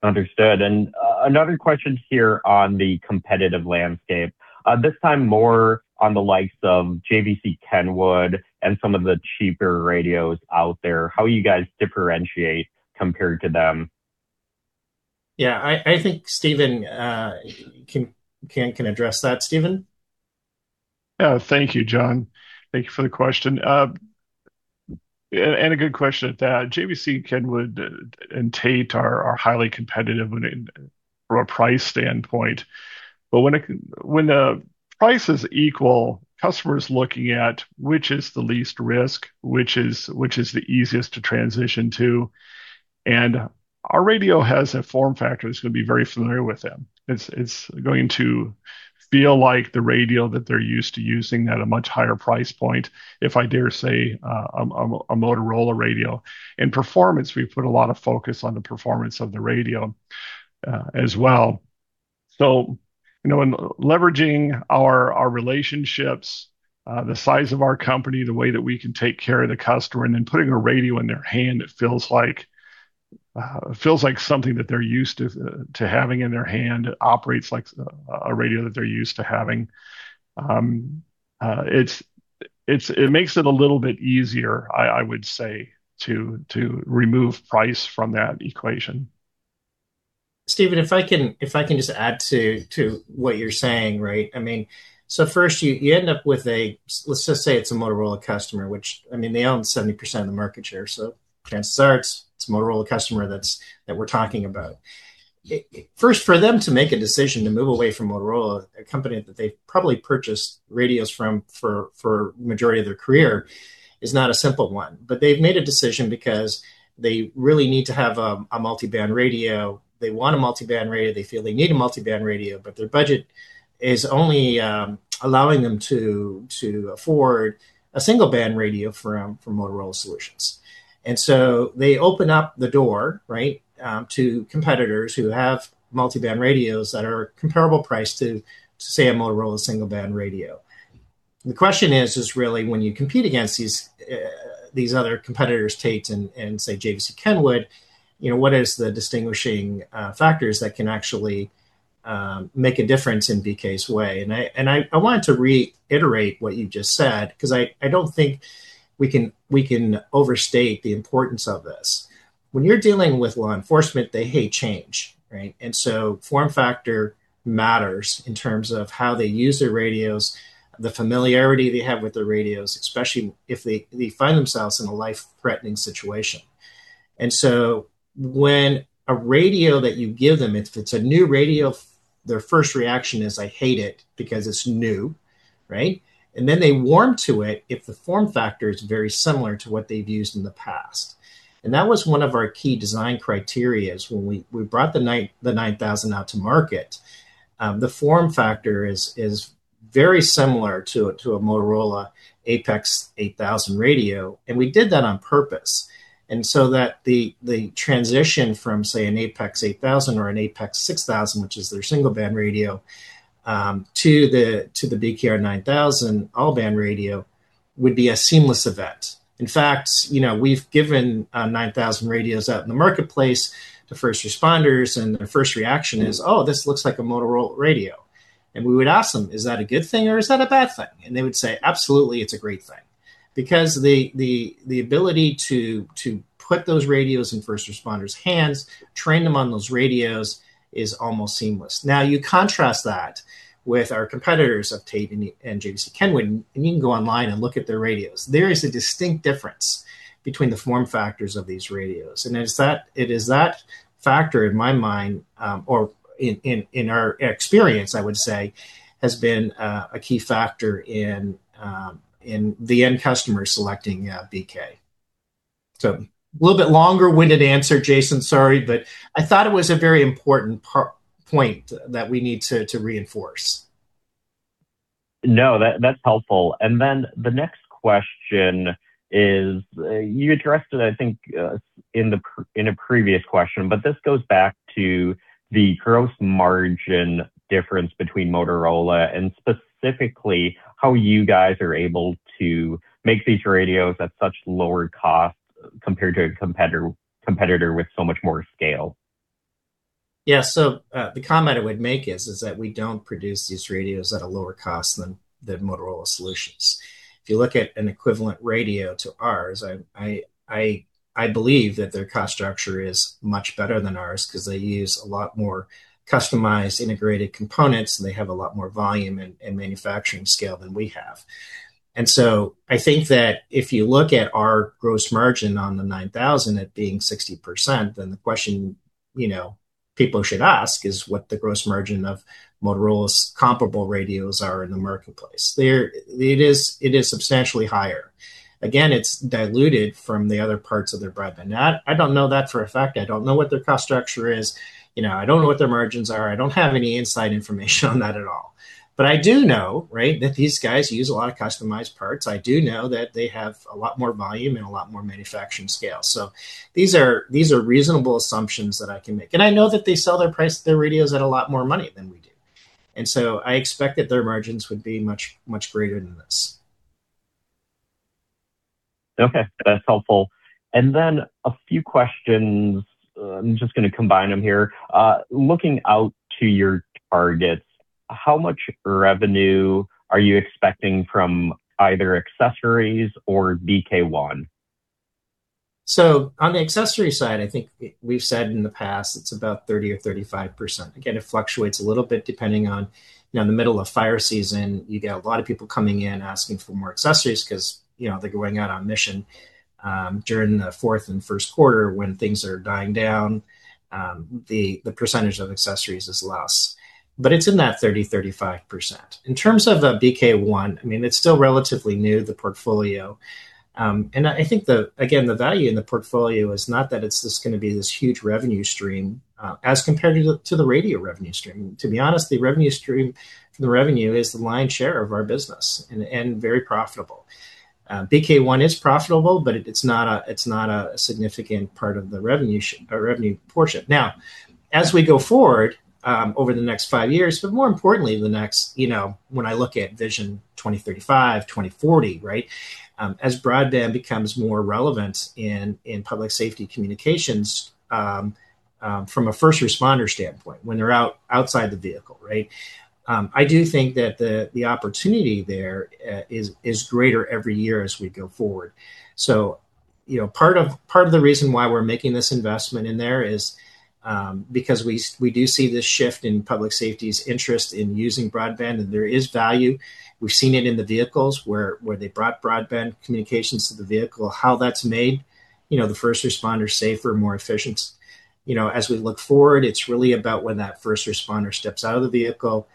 Understood. Another question here on the competitive landscape, this time more on the likes of JVCKENWOOD and some of the cheaper radios out there. How you guys differentiate compared to them? Yeah. I think Stephen can address that. Stephen? Yeah. Thank you, John. Thank you for the question. A good question at that. JVCKENWOOD and Tait are highly competitive from a price standpoint. When the price is equal, customer's looking at which is the least risk, which is the easiest to transition to. Our radio has a form factor that's gonna be very familiar with them. It's going to feel like the radio that they're used to using at a much higher price point, if I dare say, a Motorola radio. In performance, we put a lot of focus on the performance of the radio, as well. You know, in leveraging our relationships, the size of our company, the way that we can take care of the customer, and then putting a radio in their hand that feels like something that they're used to having in their hand. It operates like a radio that they're used to having. It makes it a little bit easier, I would say, to remove price from that equation. Stephen, if I can just add to what you're saying, right? I mean, first you end up with a—let's just say it's a Motorola customer, which, I mean, they own 70% of the market share. Chances are it's a Motorola customer that we're talking about. First, for them to make a decision to move away from Motorola, a company that they've probably purchased radios from for a majority of their career, is not a simple one. They've made a decision because they really need to have a multiband radio. They want a multiband radio. They feel they need a multiband radio, but their budget is only allowing them to afford a single band radio from Motorola Solutions. They open up the door, right, to competitors who have multiband radios that are comparable price to say, a Motorola single band radio. The question is really when you compete against these other competitors, Tait and say, JVCKENWOOD, you know, what is the distinguishing factors that can actually make a difference in BK's way? I wanted to reiterate what you just said because I don't think we can overstate the importance of this. When you're dealing with law enforcement, they hate change, right? Form factor matters in terms of how they use their radios, the familiarity they have with their radios, especially if they find themselves in a life-threatening situation. When a radio that you give them, if it's a new radio, their first reaction is, "I hate it because it's new." Right? Then they warm to it if the form factor is very similar to what they've used in the past. That was one of our key design criteria when we brought the 9000 out to market. The form factor is very similar to a Motorola APX 8000 radio, and we did that on purpose. That the transition from, say, an APX 8000 or an APX 6000, which is their single-band radio, to the BKR 9000 all-band radio, would be a seamless event. In fact, you know, we've given 9,000 radios out in the marketplace to first responders, and their first reaction is, "Oh, this looks like a Motorola radio." We would ask them, "Is that a good thing or is that a bad thing?" They would say, "Absolutely, it's a great thing." Because the ability to put those radios in first responders' hands, train them on those radios, is almost seamless. Now, you contrast that with our competitors of Tait and JVCKENWOOD, and you can go online and look at their radios. There is a distinct difference between the form factors of these radios. It's that factor in my mind, or in our experience, I would say, has been a key factor in the end customer selecting BK. A little bit longer-winded answer, Jaeson. Sorry, but I thought it was a very important point that we need to reinforce. No. That, that's helpful. The next question is, you addressed it, I think, in a previous question, but this goes back to the gross margin difference between Motorola and specifically how you guys are able to make these radios at such lower cost compared to a competitor with so much more scale. Yeah. The comment I would make is that we don't produce these radios at a lower cost than Motorola Solutions. If you look at an equivalent radio to ours, I believe that their cost structure is much better than ours because they use a lot more customized integrated components, and they have a lot more volume and manufacturing scale than we have. I think that if you look at our gross margin on the nine thousand at being 60%, then the question, you know, people should ask is what the gross margin of Motorola's comparable radios are in the marketplace. It is substantially higher. Again, it's diluted from the other parts of their broadband. Now, I don't know that for a fact. I don't know what their cost structure is. You know, I don't know what their margins are. I don't have any inside information on that at all. I do know, right, that these guys use a lot of customized parts. I do know that they have a lot more volume and a lot more manufacturing scale. These are, these are reasonable assumptions that I can make. I know that they sell their radios at a lot more money than we do. I expect that their margins would be much, much greater than this. Okay. That's helpful. A few questions, I'm just gonna combine them here. Looking out to your targets, how much revenue are you expecting from either accessories or BK ONE? On the accessory side, I think we've said in the past it's about 30%-35%. Again, it fluctuates a little bit depending on you know, in the middle of fire season, you get a lot of people coming in asking for more accessories because, you know, they're going out on mission. During the fourth and first quarter when things are dying down, the percentage of accessories is less. But it's in that 30%-35%. In terms of BK ONE, I mean, it's still relatively new, the portfolio. And I think again, the value in the portfolio is not that it's just gonna be this huge revenue stream as compared to the radio revenue stream. To be honest, the radio revenue stream is the lion's share of our business and very profitable. BK ONE is profitable, but it's not a significant part of the revenue portion. Now, as we go forward over the next five years, but more importantly the next when I look at Vision 2035-2040. As broadband becomes more relevant in public safety communications from a first responder standpoint, when they're outside the vehicle. I do think that the opportunity there is greater every year as we go forward. Part of the reason why we're making this investment there is because we do see this shift in public safety's interest in using broadband, and there is value. We've seen it in the vehicles where they brought broadband communications to the vehicle, how that's made, you know, the first responder safer, more efficient. You know, as we look forward, it's really about when that first responder steps out of the vehicle.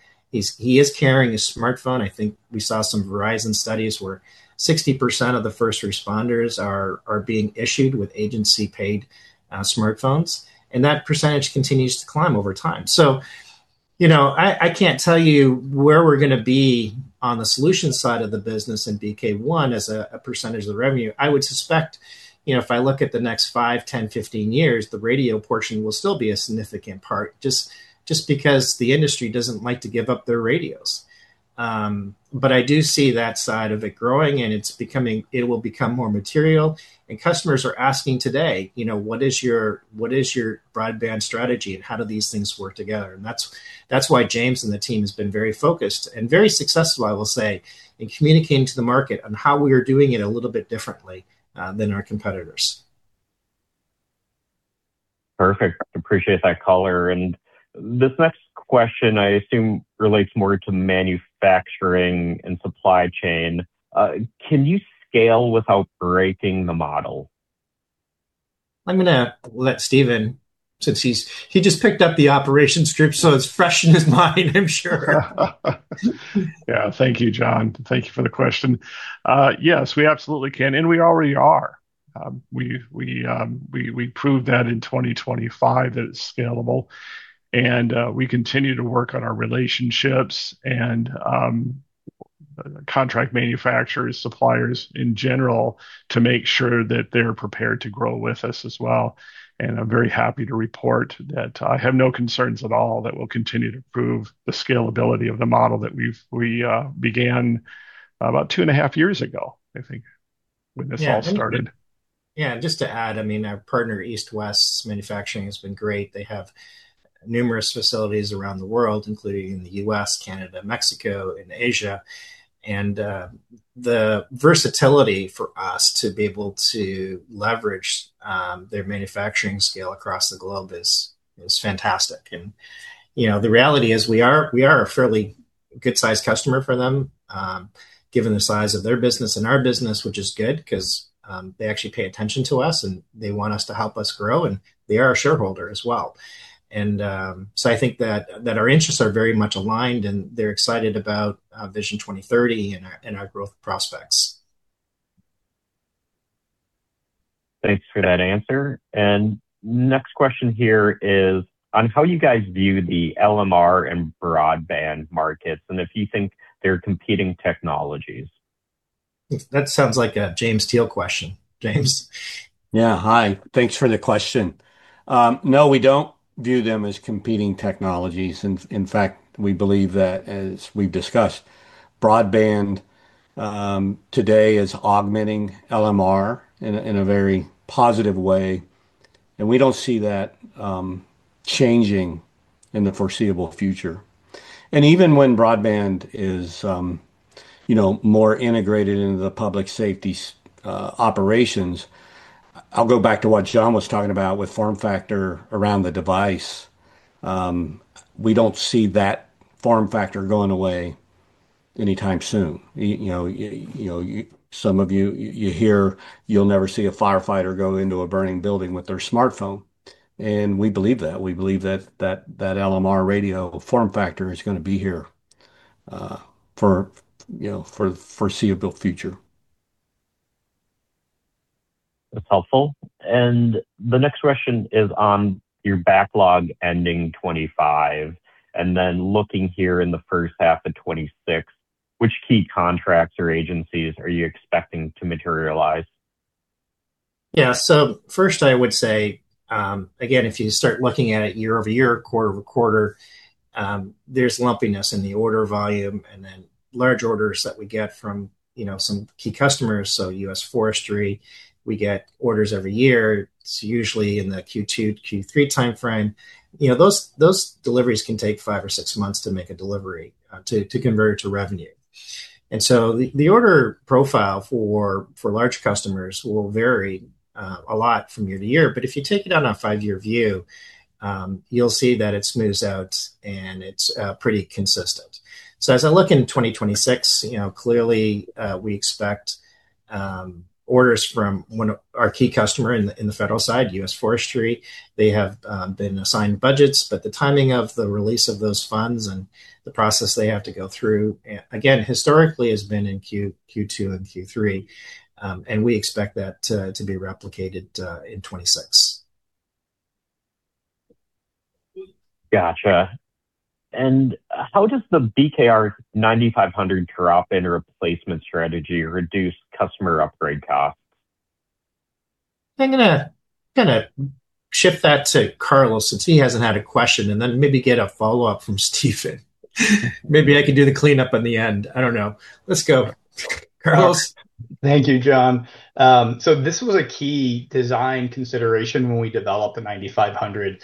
He is carrying a smartphone. I think we saw some Verizon studies where 60% of the first responders are being issued with agency-paid smartphones, and that percentage continues to climb over time. You know, I can't tell you where we're gonna be on the solution side of the business in BK ONE as a percentage of the revenue. I would suspect, you know, if I look at the next five, 10, 15 years, the radio portion will still be a significant part, just because the industry doesn't like to give up their radios. I do see that side of it growing, and it's becoming. It will become more material. Customers are asking today, you know, "What is your broadband strategy, and how do these things work together?" That's why James and the team has been very focused and very successful, I will say, in communicating to the market on how we are doing it a little bit differently than our competitors. Perfect. Appreciate that color. This next question I assume relates more to manufacturing and supply chain. Can you scale without breaking the model? I'm gonna let Stephen. He just picked up the operations group, so it's fresh in his mind, I'm sure. Yeah. Thank you, John. Thank you for the question. Yes, we absolutely can, and we already are. We proved that in 2025 that it's scalable, and we continue to work on our relationships and contract manufacturers, suppliers in general to make sure that they're prepared to grow with us as well. I'm very happy to report that I have no concerns at all that we'll continue to improve the scalability of the model that we've began about two and a half years ago, I think, when this all started. Yeah. Just to add, I mean, our partner, East West Manufacturing, has been great. They have numerous facilities around the world, including in the U.S., Canada, Mexico, and Asia. The versatility for us to be able to leverage their manufacturing scale across the globe is fantastic. You know, the reality is we are a fairly good-sized customer for them, given the size of their business and our business, which is good 'cause they actually pay attention to us, and they want us to help us grow, and they are a shareholder as well. I think that our interests are very much aligned, and they're excited about Vision 2030 and our growth prospects. Thanks for that answer. Next question here is on how you guys view the LMR and broadband markets and if you think they're competing technologies. That sounds like a James Teel question. James. Yeah. Hi. Thanks for the question. No, we don't view them as competing technologies. In fact, we believe that, as we've discussed, broadband today is augmenting LMR in a very positive way, and we don't see that changing in the foreseeable future. Even when broadband is, you know, more integrated into the public safety operations, I'll go back to what John was talking about with form factor around the device. We don't see that form factor going away anytime soon. You know, some of you hear you'll never see a firefighter go into a burning building with their smartphone, and we believe that. We believe that LMR radio form factor is gonna be here for the foreseeable future. That's helpful. The next question is on your backlog ending 2025, and then looking here in the first half of 2026, which key contracts or agencies are you expecting to materialize? Yeah. First, I would say, again, if you start looking at it year-over-year, quarter-over-quarter, there's lumpiness in the order volume and then large orders that we get from, you know, some key customers. U.S. Forestry, we get orders every year. It's usually in the Q2 to Q3 timeframe. You know, those deliveries can take five or six months to make a delivery to convert to revenue. The order profile for large customers will vary a lot from year to year. But if you take it on a five-year view, you'll see that it smooths out, and it's pretty consistent. As I look into 2026, you know, clearly, we expect orders from one of our key customer in the federal side, U.S. Forestry. They have been assigned budgets, but the timing of the release of those funds and the process they have to go through, again, historically, has been in Q2 and Q3. We expect that to be replicated in 2026. Gotcha. How does the BKR 9500 drop-in replacement strategy reduce customer upgrade costs? I'm gonna shift that to Carlos since he hasn't had a question, and then maybe get a follow-up from Stephen. Maybe I can do the cleanup on the end. I don't know. Let's go, Carlos? Thank you, John. This was a key design consideration when we developed the 9500.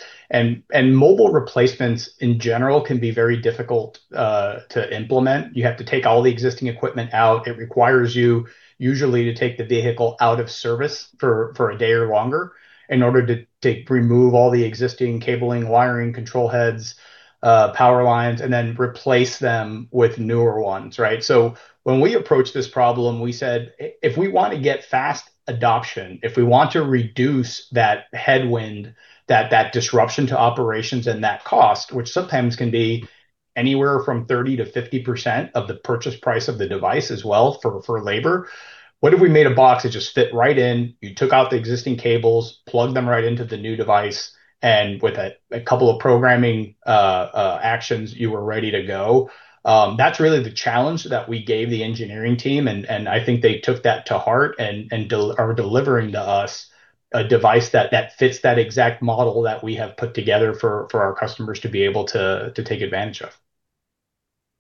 Mobile replacements in general can be very difficult to implement. You have to take all the existing equipment out. It requires you usually to take the vehicle out of service for a day or longer in order to remove all the existing cabling, wiring, control heads, power lines, and then replace them with newer ones, right? When we approached this problem, we said if we want to get fast adoption, if we want to reduce that headwind, that disruption to operations and that cost, which sometimes can be anywhere from 30%-50% of the purchase price of the device as well for labor, what if we made a box that just fit right in, you took out the existing cables, plugged them right into the new device, and with a couple of programming actions, you were ready to go? That's really the challenge that we gave the engineering team, and I think they took that to heart and are delivering to us a device that fits that exact model that we have put together for our customers to be able to take advantage of.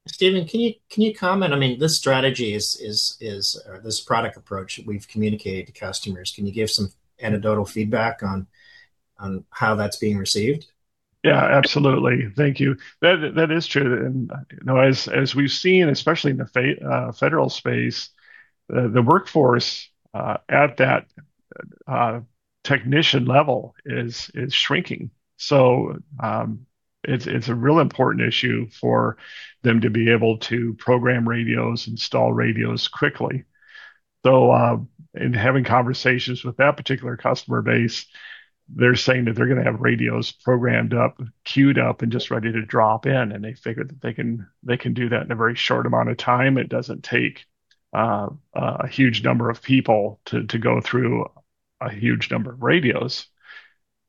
Stephen, can you comment? I mean, this strategy is or this product approach we've communicated to customers, can you give some anecdotal feedback on how that's being received? Yeah, absolutely. Thank you. That is true. You know, as we've seen, especially in the federal space, the workforce at that technician level is shrinking. It's a real important issue for them to be able to program radios, install radios quickly. In having conversations with that particular customer base, they're saying that they're gonna have radios programmed up, queued up, and just ready to drop in, and they figure that they can do that in a very short amount of time. It doesn't take a huge number of people to go through a huge number of radios.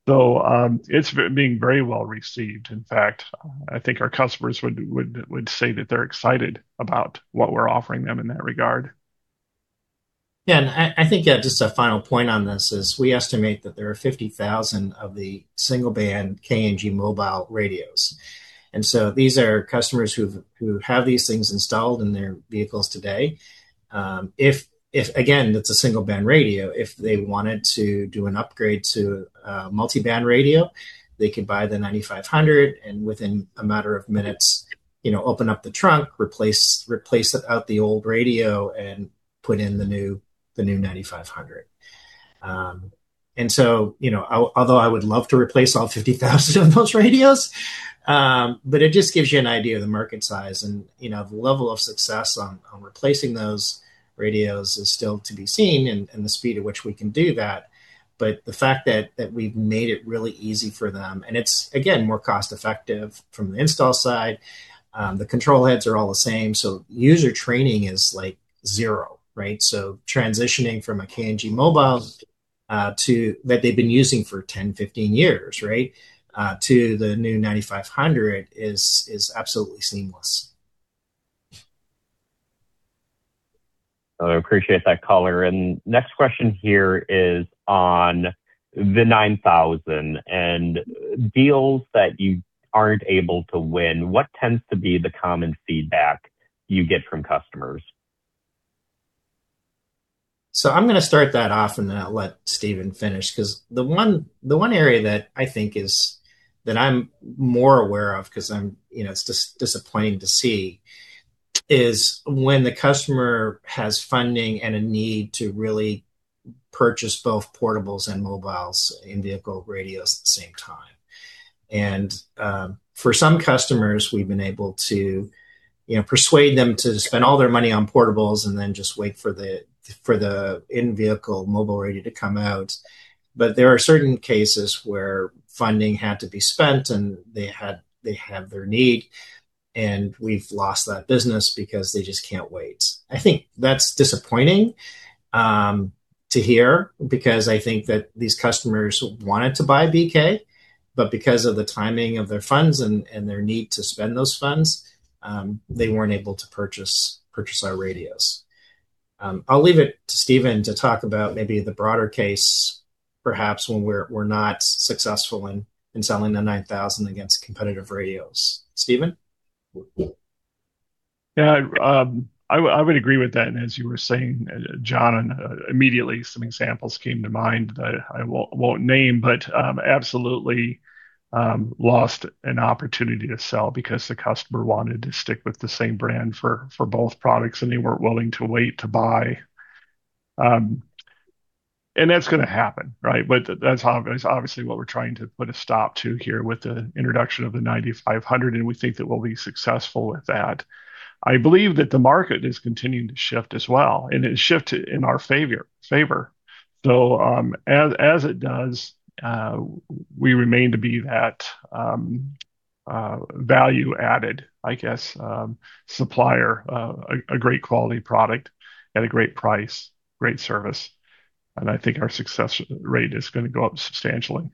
It's being very well received. In fact, I think our customers would say that they're excited about what we're offering them in that regard. I think just a final point on this is we estimate that there are 50,000 of the single-band KNG mobile radios. These are customers who have these things installed in their vehicles today. Again, it's a single-band radio, if they wanted to do an upgrade to a multi-band radio, they could buy the 9500, and within a matter of minutes, you know, open up the trunk, replace out the old radio and put in the new 9500. You know, although I would love to replace all 50,000 of those radios, but it just gives you an idea of the market size. You know, the level of success on replacing those radios is still to be seen and the speed at which we can do that. The fact that we've made it really easy for them, and it's again more cost-effective from the install side. The control heads are all the same, so user training is like zero, right? Transitioning from a KNG mobile to that they've been using for 10, 15 years, right? To the new 9500 is absolutely seamless. I appreciate that color. Next question here is on the 9000 and deals that you aren't able to win. What tends to be the common feedback you get from customers? I'm gonna start that off, and then I'll let Stephen finish 'cause the one area that I think that I'm more aware of, 'cause I'm, you know, it's disappointing to see, is when the customer has funding and a need to really purchase both portables and mobiles in-vehicle radios at the same time. For some customers, we've been able to, you know, persuade them to spend all their money on portables and then just wait for the in-vehicle mobile radio to come out. There are certain cases where funding had to be spent, and they have their need, and we've lost that business because they just can't wait. I think that's disappointing to hear because I think that these customers wanted to buy BK, but because of the timing of their funds and their need to spend those funds, they weren't able to purchase our radios. I'll leave it to Stephen to talk about maybe the broader case, perhaps when we're not successful in selling the 9000 against competitive radios. Stephen? Yeah. I would agree with that. As you were saying, John, immediately some examples came to mind that I won't name, but absolutely lost an opportunity to sell because the customer wanted to stick with the same brand for both products, and they weren't willing to wait to buy. That's gonna happen, right? That's obviously what we're trying to put a stop to here with the introduction of the 9500, and we think that we'll be successful with that. I believe that the market is continuing to shift as well, and it's shifted in our favor. We remain to be that value-added, I guess, supplier, a great quality product at a great price, great service, and I think our success rate is gonna go up substantially.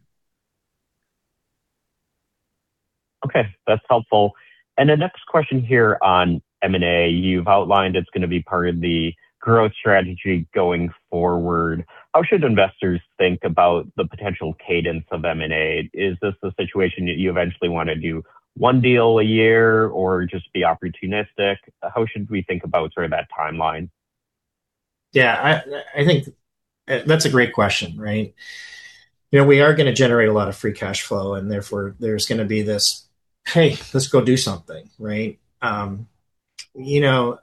Okay. That's helpful. The next question here on M&A, you've outlined it's gonna be part of the growth strategy going forward. How should investors think about the potential cadence of M&A? Is this a situation you eventually wanna do one deal a year or just be opportunistic? How should we think about sort of that timeline? Yeah, I think that's a great question, right? You know, we are gonna generate a lot of free cash flow, and therefore there's gonna be this, "Hey, let's go do something," right? You know,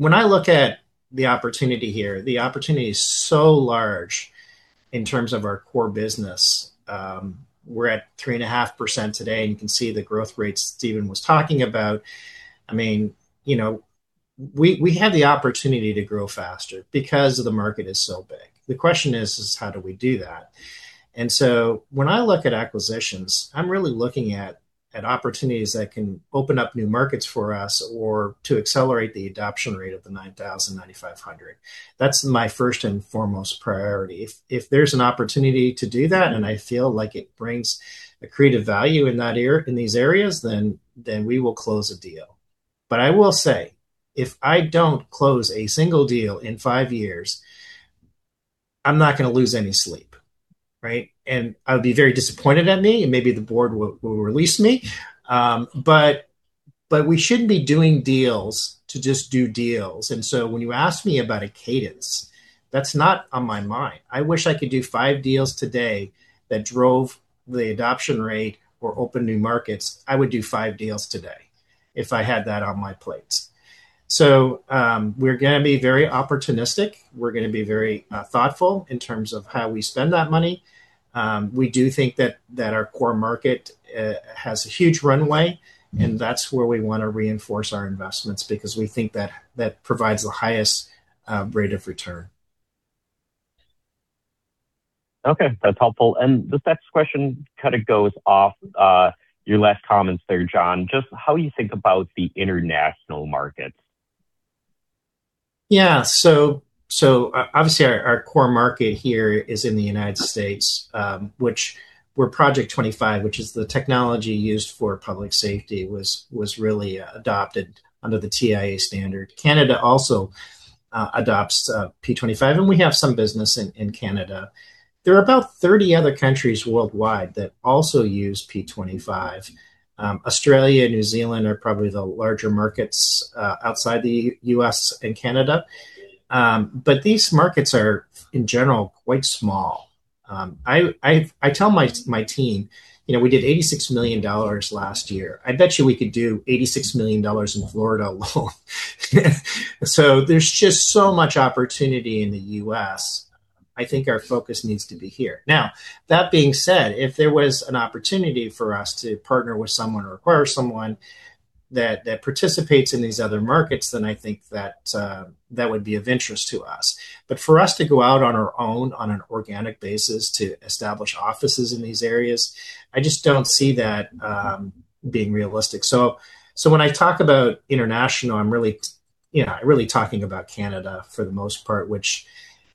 when I look at the opportunity here, the opportunity is so large in terms of our core business. We're at 3.5% today, and you can see the growth rates Stephen was talking about. I mean, you know, we have the opportunity to grow faster because the market is so big. The question is how do we do that? When I look at acquisitions, I'm really looking at opportunities that can open up new markets for us or to accelerate the adoption rate of the 9000 and 9500. That's my first and foremost priority. If there's an opportunity to do that, and I feel like it brings accretive value in these areas, then we will close the deal. I will say, if I don't close a single deal in five years, I'm not gonna lose any sleep, right? I would be very disappointed in me, and maybe the board will relieve me. We shouldn't be doing deals to just do deals. When you ask me about a cadence, that's not on my mind. I wish I could do five deals today that drove the adoption rate or open new markets. I would do five deals today if I had that on my plate. We're gonna be very opportunistic. We're gonna be very thoughtful in terms of how we spend that money. We do think that our core market has a huge runway, and that's where we wanna reinforce our investments because we think that provides the highest rate of return. Okay, that's helpful. The next question kinda goes off your last comments there, John. Just how you think about the international markets. Yeah. Obviously, our core market here is in the United States, where Project 25, which is the technology used for public safety, was really adopted under the TIA standard. Canada also adopts P25, and we have some business in Canada. There are about 30 other countries worldwide that also use P25. Australia and New Zealand are probably the larger markets outside the U.S. and Canada. But these markets are, in general, quite small. I tell my team, "You know, we did $86 million last year. I bet you we could do $86 million in Florida alone." There's just so much opportunity in the U.S. I think our focus needs to be here. Now, that being said, if there was an opportunity for us to partner with someone or acquire someone that participates in these other markets, then I think that would be of interest to us. For us to go out on our own on an organic basis to establish offices in these areas, I just don't see that being realistic. When I talk about international, I'm really, you know, really talking about Canada for the most part, which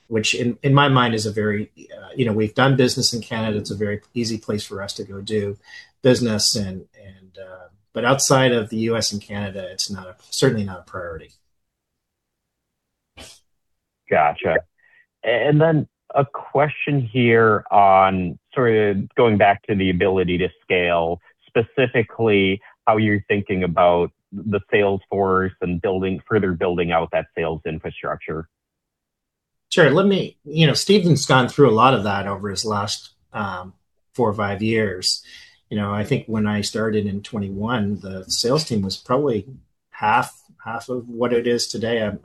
in my mind, you know, we've done business in Canada. It's a very easy place for us to go do business. Outside of the U.S. and Canada, it's certainly not a priority. Gotcha. And then a question here on sort of going back to the ability to scale, specifically how you're thinking about the sales force and further building out that sales infrastructure. Sure. You know, Stephen's gone through a lot of that over his last four or five years. You know, I think when I started in 2021, the sales team was probably half of what it is today. I'm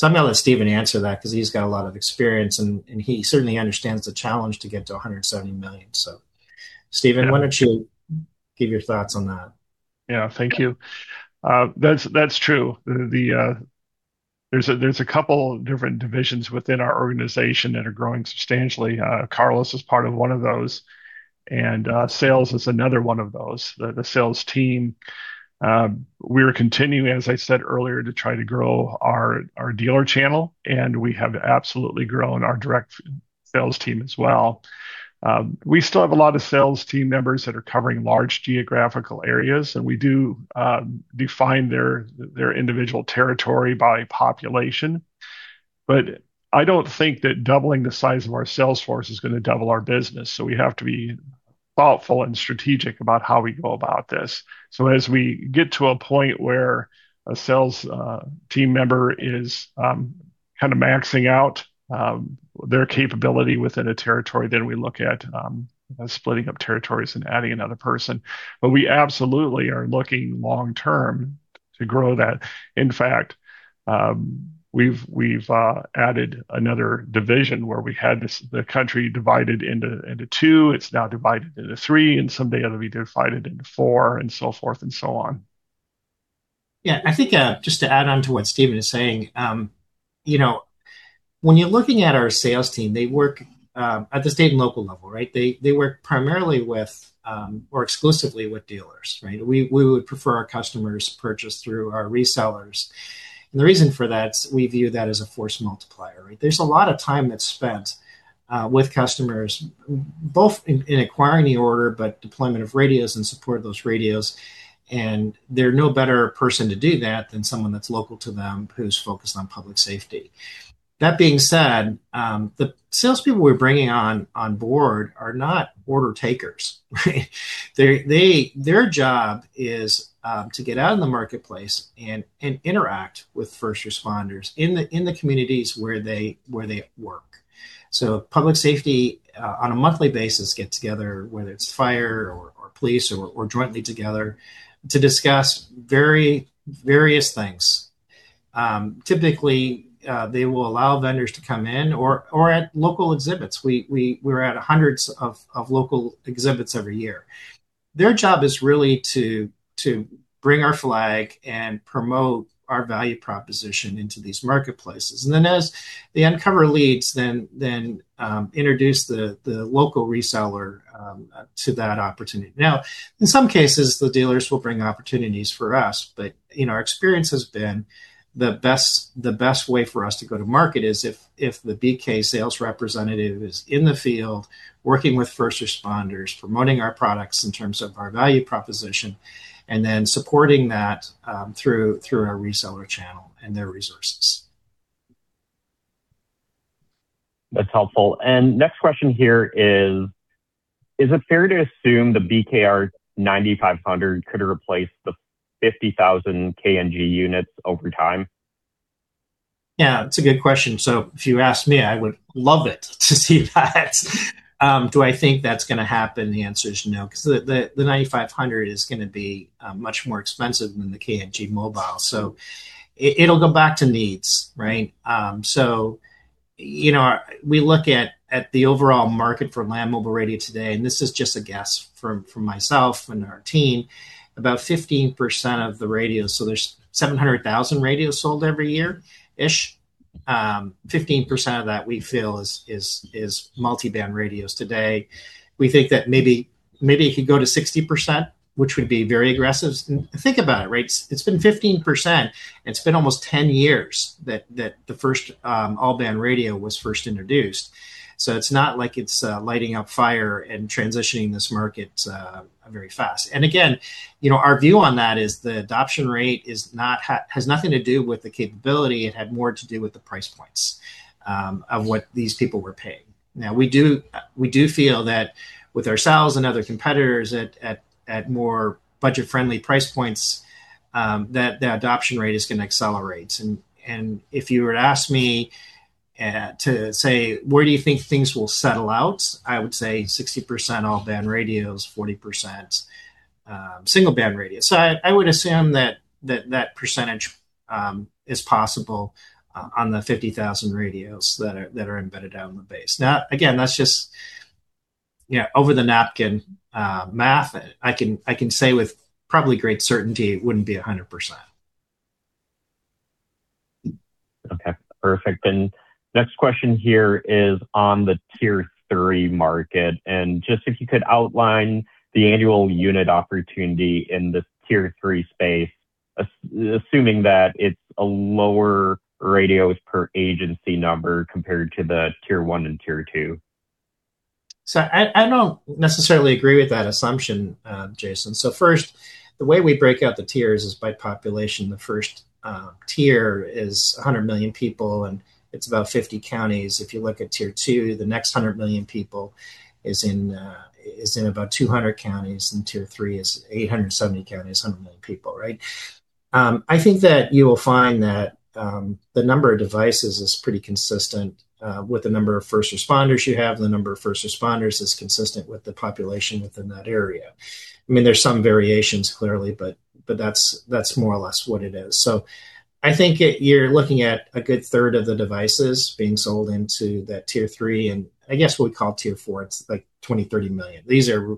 gonna let Stephen answer that 'cause he's got a lot of experience, and he certainly understands the challenge to get to $170 million. Stephen, why don't you give your thoughts on that? Yeah. Thank you. That's true. There's a couple different divisions within our organization that are growing substantially. Carlos is part of one of those, and sales is another one of those. The sales team, we're continuing, as I said earlier, to try to grow our dealer channel, and we have absolutely grown our direct sales team as well. We still have a lot of sales team members that are covering large geographical areas, and we do define their individual territory by population. I don't think that doubling the size of our sales force is gonna double our business, so we have to be thoughtful and strategic about how we go about this. As we get to a point where a sales team member is kind of maxing out their capability within a territory, then we look at splitting up territories and adding another person. We absolutely are looking long-term to grow that. In fact, we've added another division where we had the country divided into two. It's now divided into three, and someday it'll be divided into four, and so forth and so on. Yeah. I think just to add on to what Stephen is saying, you know, when you're looking at our sales team, they work at the state and local level, right? They work primarily with or exclusively with dealers, right? We would prefer our customers purchase through our resellers. The reason for that, we view that as a force multiplier, right? There's a lot of time that's spent with customers, both in acquiring the order, but deployment of radios and support of those radios, and there's no better person to do that than someone that's local to them who's focused on public safety. That being said, the salespeople we're bringing on board are not order takers, right? Their job is to get out in the marketplace and interact with first responders in the communities where they work. Public safety on a monthly basis get together, whether it's fire or police or jointly together to discuss very various things. Typically, they will allow vendors to come in or at local exhibits. We're at hundreds of local exhibits every year. Their job is really to bring our flag and promote our value proposition into these marketplaces. Then as they uncover leads, introduce the local reseller to that opportunity. Now, in some cases, the dealers will bring opportunities for us. You know, our experience has been the best way for us to go to market is if the BK sales representative is in the field working with first responders, promoting our products in terms of our value proposition and then supporting that through our reseller channel and their resources. That's helpful. Next question here is: Is it fair to assume the BKR 9500 could replace the 50,000 KNG units over time? Yeah, that's a good question. If you asked me, I would love to see that. Do I think that's gonna happen? The answer is no 'cause the 9500 is gonna be much more expensive than the KNG mobile. It'll go back to needs, right? You know, we look at the overall market for Land Mobile Radio today, and this is just a guess from myself and our team. About 15% of the radios, so there's 700,000 radios sold every year-ish. 15% of that we feel is multi-band radios today. We think that maybe it could go to 60%, which would be very aggressive. Think about it, right? It's been 15%. It's been almost 10 years that the first all-band radio was first introduced. It's not like it's lighting a fire and transitioning this market very fast. Again, you know, our view on that is the adoption rate has nothing to do with the capability. It had more to do with the price points of what these people were paying. Now we do feel that with ourselves and other competitors at more budget-friendly price points that the adoption rate is gonna accelerate. If you were to ask me to say where do you think things will settle out? I would say 60% all-band radios, 40% single-band radios. I would assume that percentage is possible on the 50,000 radios that are embedded out in the base. Now again, that's just, you know, over the napkin math. I can say with probably great certainty it wouldn't be 100%. Okay. Perfect. Next question here is on the Tier 3 market. Just if you could outline the annual unit opportunity in the Tier 3 space, assuming that it's a lower radios per agency number compared to the Tier 1 and Tier 2? I don't necessarily agree with that assumption, Jaeson. First, the way we break out the tiers is by population. The first tier is 100 million people, and it's about 50 counties. If you look at Tier 2, the next 100 million people is in about 200 counties. Tier 3 is 870 counties, 100 million people, right? I think that you'll find that the number of devices is pretty consistent with the number of first responders you have. The number of first responders is consistent with the population within that area. I mean, there's some variations clearly, but that's more or less what it is. You're looking at a good third of the devices being sold into that Tier 3, and I guess what we call Tier 4. It's like $20 million-$30 million. These are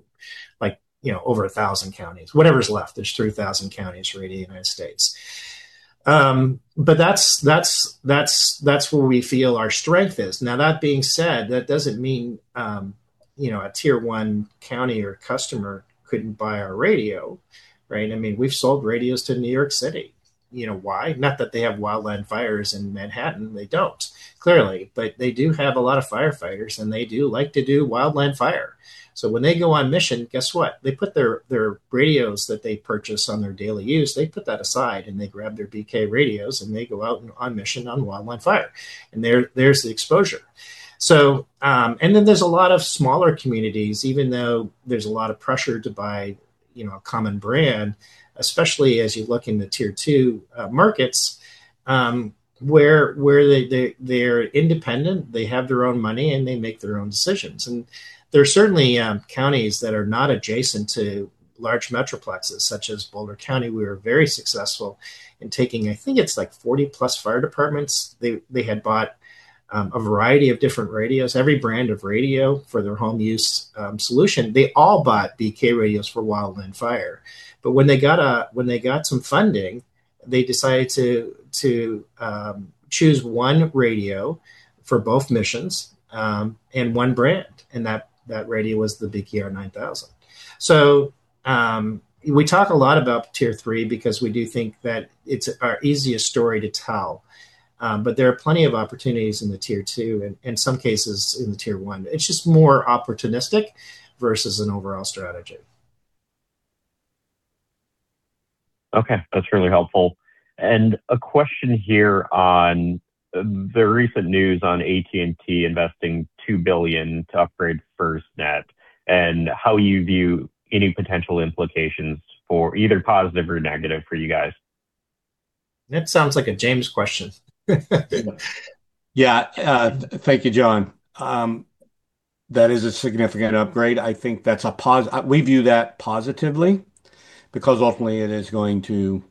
like, you know, over 1,000 counties. Whatever's left. There's 3,000 counties throughout the United States. But that's where we feel our strength is. Now that being said, that doesn't mean, you know, a Tier 1 county or customer couldn't buy our radio, right? I mean, we've sold radios to New York City. You know why? Not that they have wildland fires in Manhattan. They don't, clearly. But they do have a lot of firefighters, and they do like to do wildland fire. So when they go on mission, guess what? They put their radios that they purchase on their daily use aside, and they grab their BK radios, and they go out on mission on wildland fire. There's the exposure. There's a lot of smaller communities, even though there's a lot of pressure to buy, you know, a common brand, especially as you look in the Tier 2 markets, where they’re independent, they have their own money, and they make their own decisions. There are certainly counties that are not adjacent to large metroplexes, such as Boulder County. We were very successful in taking, I think it's like 40+ fire departments. They had bought a variety of different radios. Every brand of radio for their home use solution, they all bought BK radios for wildland fire. When they got some funding, they decided to choose one radio for both missions, and one brand, and that radio was the BKR 9000. We talk a lot about Tier 3 because we do think that it's our easiest story to tell. There are plenty of opportunities in the Tier 2 and, in some cases, in the Tier 1. It's just more opportunistic versus an overall strategy. Okay, that's really helpful. A question here on the recent news on AT&T investing $2 billion to upgrade FirstNet and how you view any potential implications for either positive or negative for you guys. That sounds like a James question. Yeah. Thank you, John. That is a significant upgrade. We view that positively because ultimately it is going to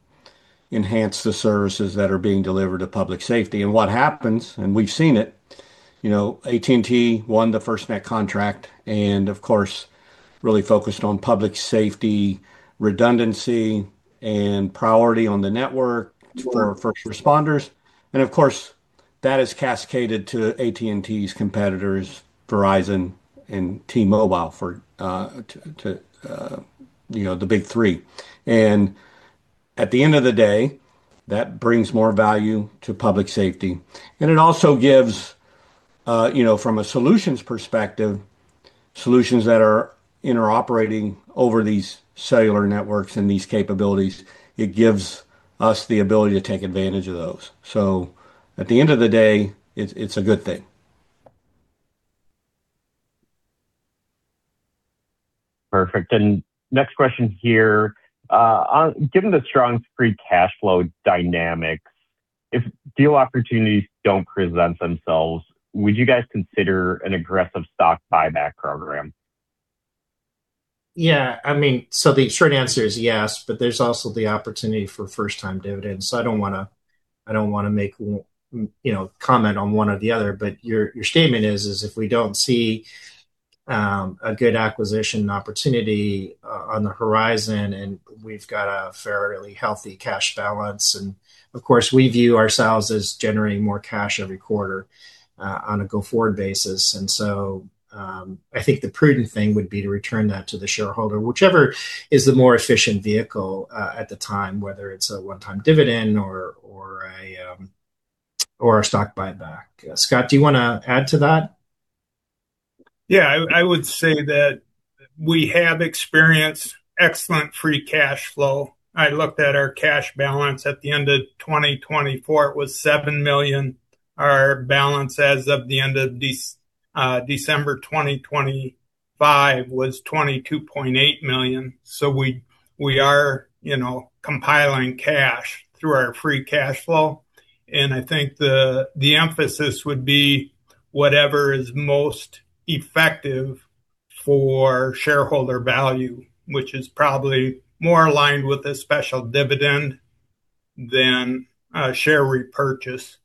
enhance the services that are being delivered to public safety. What happens, and we've seen it, you know, AT&T won the FirstNet contract and of course really focused on public safety redundancy and priority on the network for first responders. Of course, that has cascaded to AT&T's competitors, Verizon and T-Mobile to the big three. At the end of the day, that brings more value to public safety. It also gives you know, from a solutions perspective, solutions that are interoperating over these cellular networks and these capabilities. It gives us the ability to take advantage of those. At the end of the day, it's a good thing. Perfect. Next question here. Given the strong free cash flow dynamics, if deal opportunities don't present themselves, would you guys consider an aggressive stock buyback program? Yeah, I mean, the short answer is yes, but there's also the opportunity for first-time dividends. I don't wanna make, you know, comment on one or the other. Your statement is if we don't see a good acquisition opportunity on the horizon, and we've got a fairly healthy cash balance, and of course, we view ourselves as generating more cash every quarter on a go-forward basis. I think the prudent thing would be to return that to the shareholder. Whichever is the more efficient vehicle at the time, whether it's a one-time dividend or a stock buyback. Scott, do you wanna add to that? Yeah. I would say that we have experienced excellent free cash flow. I looked at our cash balance at the end of 2024, it was $7 million. Our balance as of the end of December 2025 was $22.8 million. We are, you know, accumulating cash through our free cash flow. I think the emphasis would be whatever is most effective for shareholder value, which is probably more aligned with a special dividend than a share repurchase.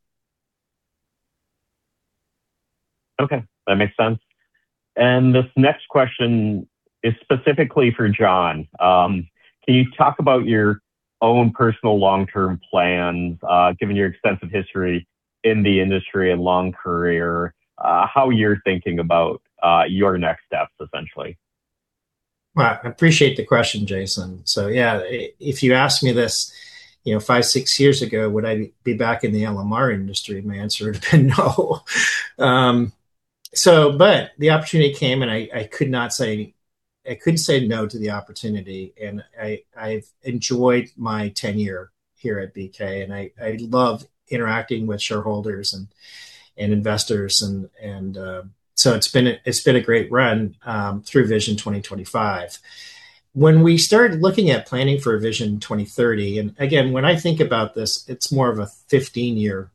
Okay, that makes sense. This next question is specifically for John. Can you talk about your own personal long-term plans, given your extensive history in the industry and long career, how you're thinking about your next steps essentially? Well, I appreciate the question, Jaeson. Yeah, if you asked me this, you know, five, six years ago, would I be back in the LMR industry? My answer would have been no. But the opportunity came, and I couldn't say no to the opportunity, and I've enjoyed my tenure here at BK, and I love interacting with shareholders and investors. It's been a great run through Vision 2025. When we started looking at planning for Vision 2030, and again, when I think about this, it's more of a 15-year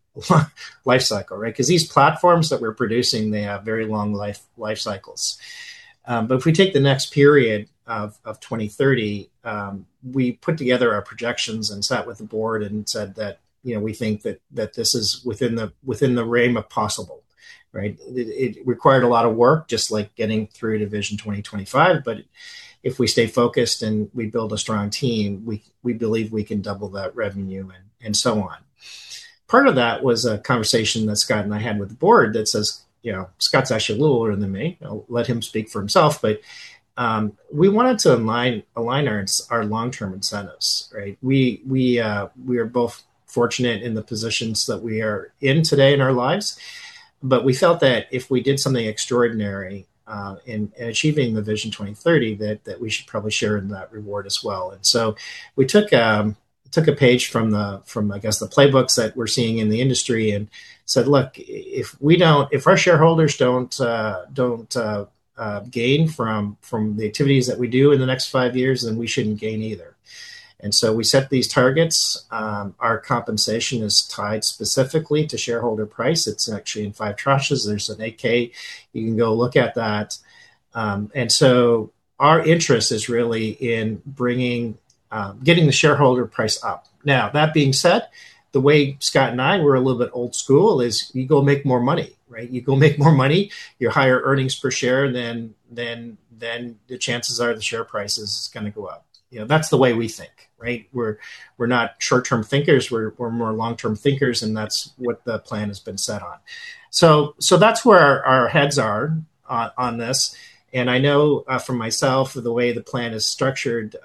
life cycle, right? 'Cause these platforms that we're producing, they have very long life cycles. If we take the next period of 2030, we put together our projections and sat with the board and said that, you know, we think that this is within the realm of possible, right? It required a lot of work, just like getting through to Vision 2025, but if we stay focused and we build a strong team, we believe we can double that revenue and so on. Part of that was a conversation that Scott and I had with the board that says, you know, Scott's actually a little older than me. I'll let him speak for himself. We wanted to align our long-term incentives, right? We are both fortunate in the positions that we are in today in our lives, but we felt that if we did something extraordinary in achieving the Vision 2030, that we should probably share in that reward as well. We took a page from I guess the playbooks that we're seeing in the industry and said, "Look, if we don't, if our shareholders don't gain from the activities that we do in the next five years, then we shouldn't gain either." We set these targets. Our compensation is tied specifically to shareholder price. It's actually in five tranches. There's an 8-K. You can go look at that. Our interest is really in bringing, getting the shareholder price up. Now, that being said, the way Scott and I, we're a little bit old school, is you go make more money, right? You go make more money, higher earnings per share, then the chances are the share price is gonna go up. You know, that's the way we think, right? We're more long-term thinkers, and that's what the plan has been set on. That's where our heads are on this. I know, for myself, the way the plan is structured,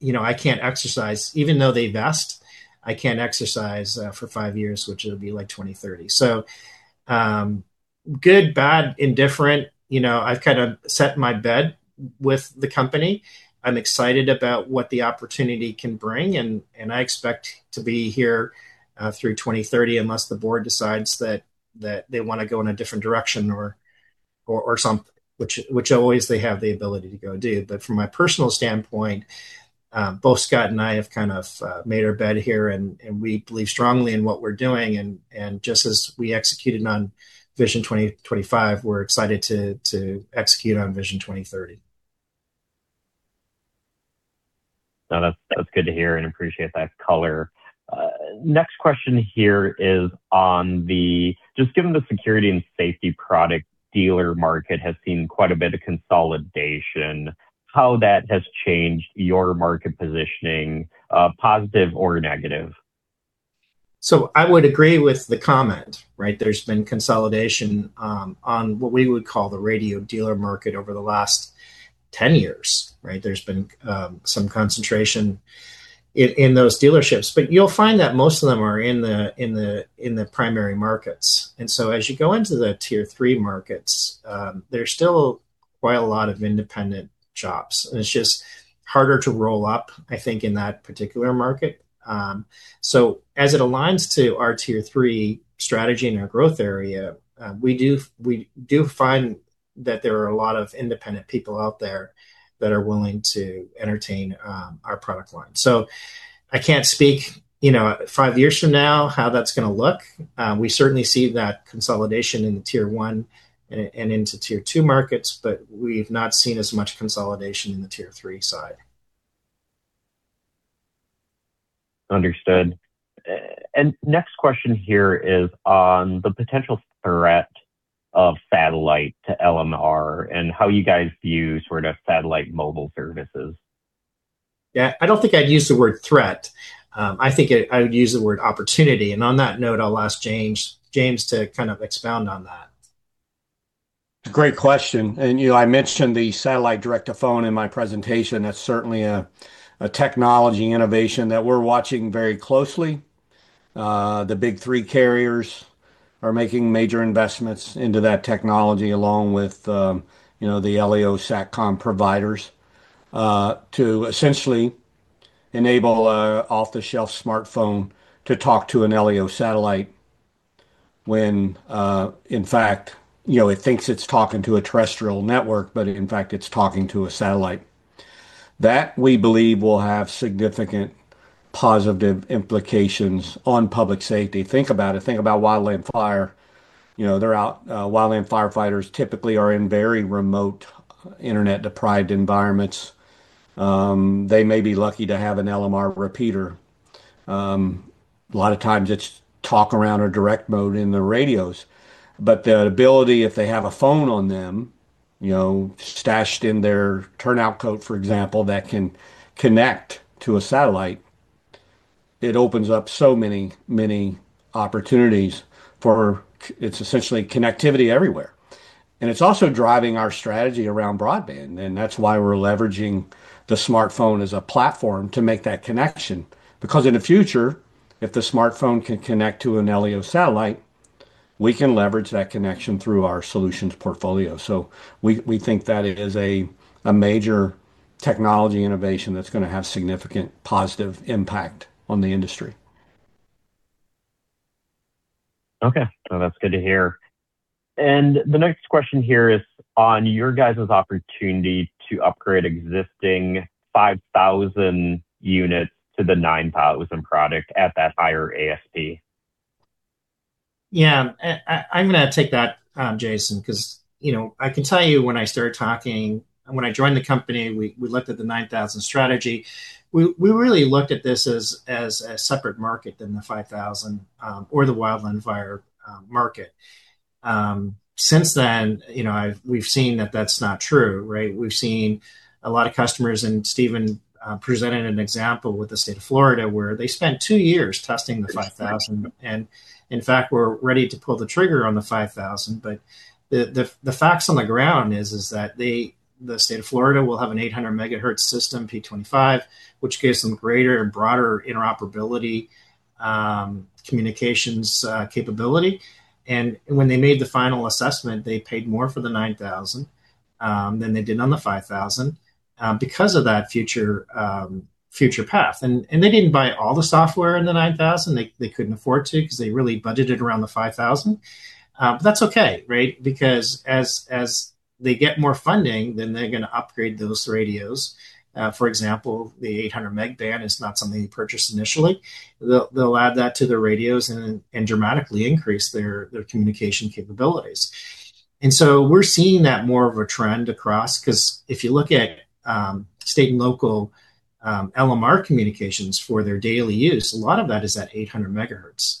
you know, I can't exercise. Even though they vest, I can't exercise for five years, which it'll be like 2030. Good, bad, indifferent, you know, I've kind of made my bed with the company. I'm excited about what the opportunity can bring and I expect to be here through 2030 unless the board decides that they wanna go in a different direction or some. Which they always have the ability to go do. From my personal standpoint, both Scott and I have kind of made our bed here and we believe strongly in what we're doing and just as we executed on Vision 2025, we're excited to execute on Vision 2030. No, that's good to hear and appreciate that color. Next question here is just given the security and safety product dealer market has seen quite a bit of consolidation, how that has changed your market positioning, positive or negative? I would agree with the comment, right? There's been consolidation on what we would call the radio dealer market over the last 10 years, right? There's been some concentration in those dealerships. You'll find that most of them are in the primary markets. As you go into the Tier 3 markets, there's still quite a lot of independent shops, and it's just harder to roll up, I think, in that particular market. As it aligns to our Tier 3 strategy and our growth area, we do find that there are a lot of independent people out there that are willing to entertain our product line. I can't speak, you know, five years from now how that's gonna look. We certainly see that consolidation in the Tier 1 and into Tier 2 markets, but we've not seen as much consolidation in the Tier 3 side. Understood. Next question here is on the potential threat of satellite to LMR and how you guys view sort of satellite mobile services. Yeah. I don't think I'd use the word threat. I think I would use the word opportunity. On that note, I'll ask James to kind of expound on that. Great question. You know, I mentioned the satellite direct-to-phone in my presentation. That's certainly a technology innovation that we're watching very closely. The big three carriers are making major investments into that technology along with you know, the LEO SatCom providers to essentially enable an off-the-shelf smartphone to talk to an LEO satellite when in fact you know, it thinks it's talking to a terrestrial network, but in fact, it's talking to a satellite. That, we believe, will have significant positive implications on public safety. Think about it. Think about wildland fire. You know, they're out wildland firefighters typically are in very remote, internet-deprived environments. They may be lucky to have an LMR repeater. A lot of times it's talk around or direct mode in the radios. The ability, if they have a phone on them, you know, stashed in their turnout coat, for example, that can connect to a satellite, it opens up so many, many opportunities. It's essentially connectivity everywhere. It's also driving our strategy around broadband, and that's why we're leveraging the smartphone as a platform to make that connection. Because in the future, if the smartphone can connect to an LEO satellite, we can leverage that connection through our solutions portfolio. We think that it is a major technology innovation that's gonna have significant positive impact on the industry. Okay. No, that's good to hear. The next question here is on your guys' opportunity to upgrade existing 5000 units to the 9000 product at that higher ASP. Yeah. I'm gonna take that, Jaeson, 'cause, you know, I can tell you when I started talking, when I joined the company, we looked at the 9000 strategy. We really looked at this as a separate market than the 5000 or the wildland fire market. Since then, you know, we've seen that that's not true, right? We've seen a lot of customers, and Stephen presented an example with the state of Florida, where they spent two years testing the 5000 and in fact were ready to pull the trigger on the 5000. The facts on the ground is that the state of Florida will have an 800 MHz system P25, which gives them greater, broader interoperability communications capability. When they made the final assessment, they paid more for the 9000 than they did for the 5000 because of that future path. They didn't buy all the software in the 9000. They couldn't afford to because they really budgeted around the 5000. But that's okay, right? Because as they get more funding, then they're gonna upgrade those radios. For example, the 800 MHz band is not something you purchase initially. They'll add that to the radios and dramatically increase their communication capabilities. We're seeing that more of a trend across because if you look at state and local LMR communications for their daily use, a lot of that is at 800 MHz.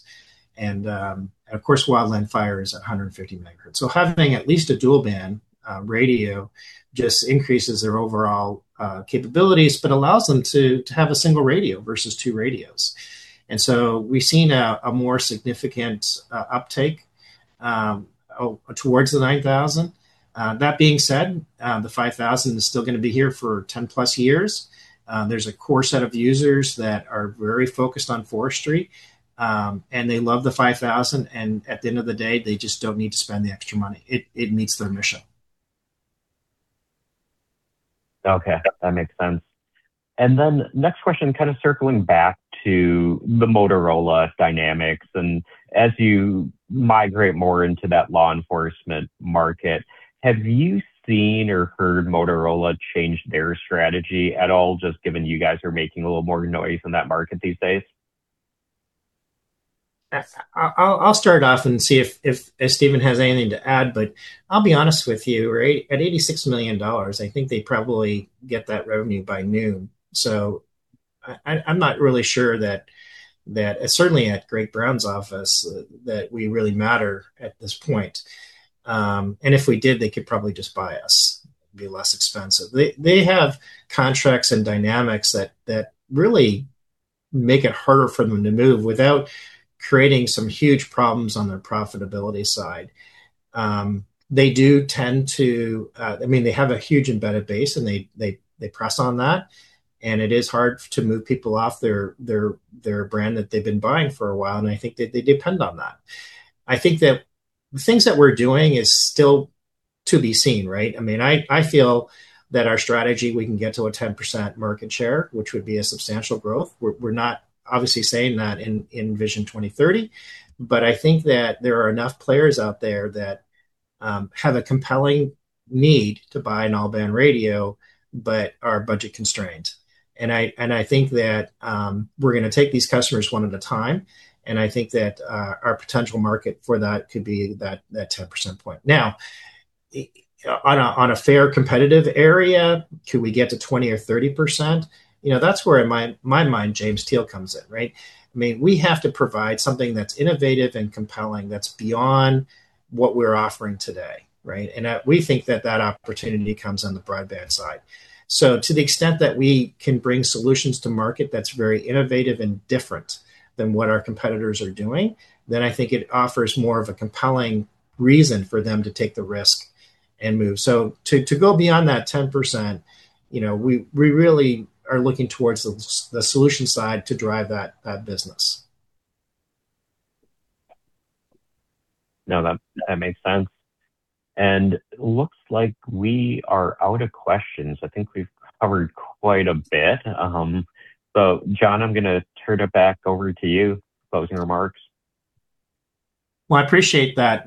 Of course, wildland fire is at 150 Mhz. Having at least a dual band radio just increases their overall capabilities but allows them to have a single radio versus two radios. We've seen a more significant uptake towards the BKR 9000. That being said, the BKR 5000 is still gonna be here for 10+ years. There's a core set of users that are very focused on forestry, and they love the BKR 5000, and at the end of the day, they just don't need to spend the extra money. It meets their mission. Okay. That makes sense. Next question, kind of circling back to the Motorola dynamics. As you migrate more into that law enforcement market, have you seen or heard Motorola change their strategy at all just given you guys are making a little more noise in that market these days? I'll start off and see if Stephen has anything to add, but I'll be honest with you, right? At $86 million, I think they probably get that revenue by noon. I'm not really sure that certainly at Greg Brown's office, that we really matter at this point. If we did, they could probably just buy us. It'd be less expensive. They have contracts and dynamics that really make it harder for them to move without creating some huge problems on their profitability side. They do tend to, I mean, they have a huge embedded base, and they press on that, and it is hard to move people off their brand that they've been buying for a while, and I think that they depend on that. I think that the things that we're doing is still to be seen, right? I mean, I feel that our strategy, we can get to a 10% market share, which would be a substantial growth. We're not obviously saying that in Vision 2030, but I think that there are enough players out there that have a compelling need to buy an all-band radio but are budget-constrained. I think that we're gonna take these customers one at a time, and I think that our potential market for that could be that 10% point. Now, on a fair competitive area, could we get to 20% or 30%? You know, that's where in my mind James Teel comes in, right? I mean, we have to provide something that's innovative and compelling, that's beyond what we're offering today, right? We think that that opportunity comes on the broadband side. To the extent that we can bring solutions to market that's very innovative and different than what our competitors are doing, then I think it offers more of a compelling reason for them to take the risk and move. To go beyond that 10%, you know, we really are looking towards the solution side to drive that business. No, that makes sense. Looks like we are out of questions. I think we've covered quite a bit. John, I'm gonna turn it back over to you, closing remarks. Well, I appreciate that.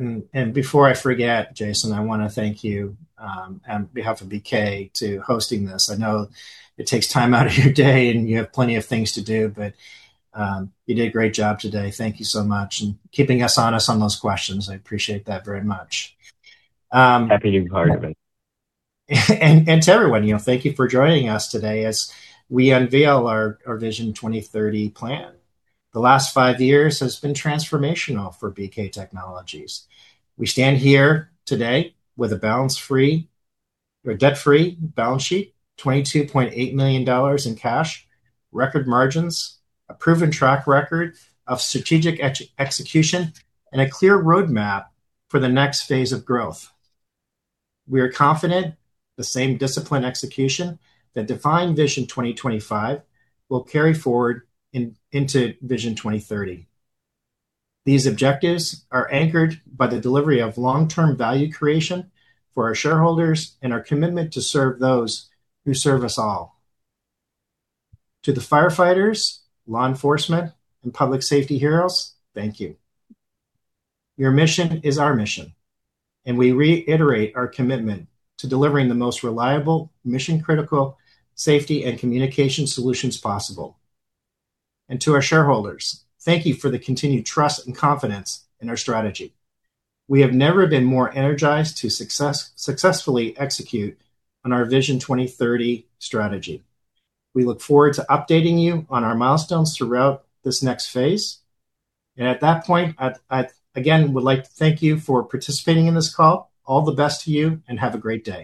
Before I forget, Jaeson, I wanna thank you on behalf of BK for hosting this. I know it takes time out of your day and you have plenty of things to do, but you did a great job today. Thank you so much. Keeping us honest on those questions, I appreciate that very much. Happy to be part of it. To everyone, you know, thank you for joining us today as we unveil our Vision 2030 plan. The last five years has been transformational for BK Technologies. We stand here today with a debt-free balance sheet, $22.8 million in cash, record margins, a proven track record of strategic execution, and a clear roadmap for the next phase of growth. We are confident the same disciplined execution that defined Vision 2025 will carry forward into Vision 2030. These objectives are anchored by the delivery of long-term value creation for our shareholders and our commitment to serve those who serve us all. To the firefighters, law enforcement, and public safety heroes, thank you. Your mission is our mission, and we reiterate our commitment to delivering the most reliable, mission-critical, safety, and communication solutions possible. To our shareholders, thank you for the continued trust and confidence in our strategy. We have never been more energized to successfully execute on our Vision 2030 strategy. We look forward to updating you on our milestones throughout this next phase. At that point, I again would like to thank you for participating in this call. All the best to you, and have a great day.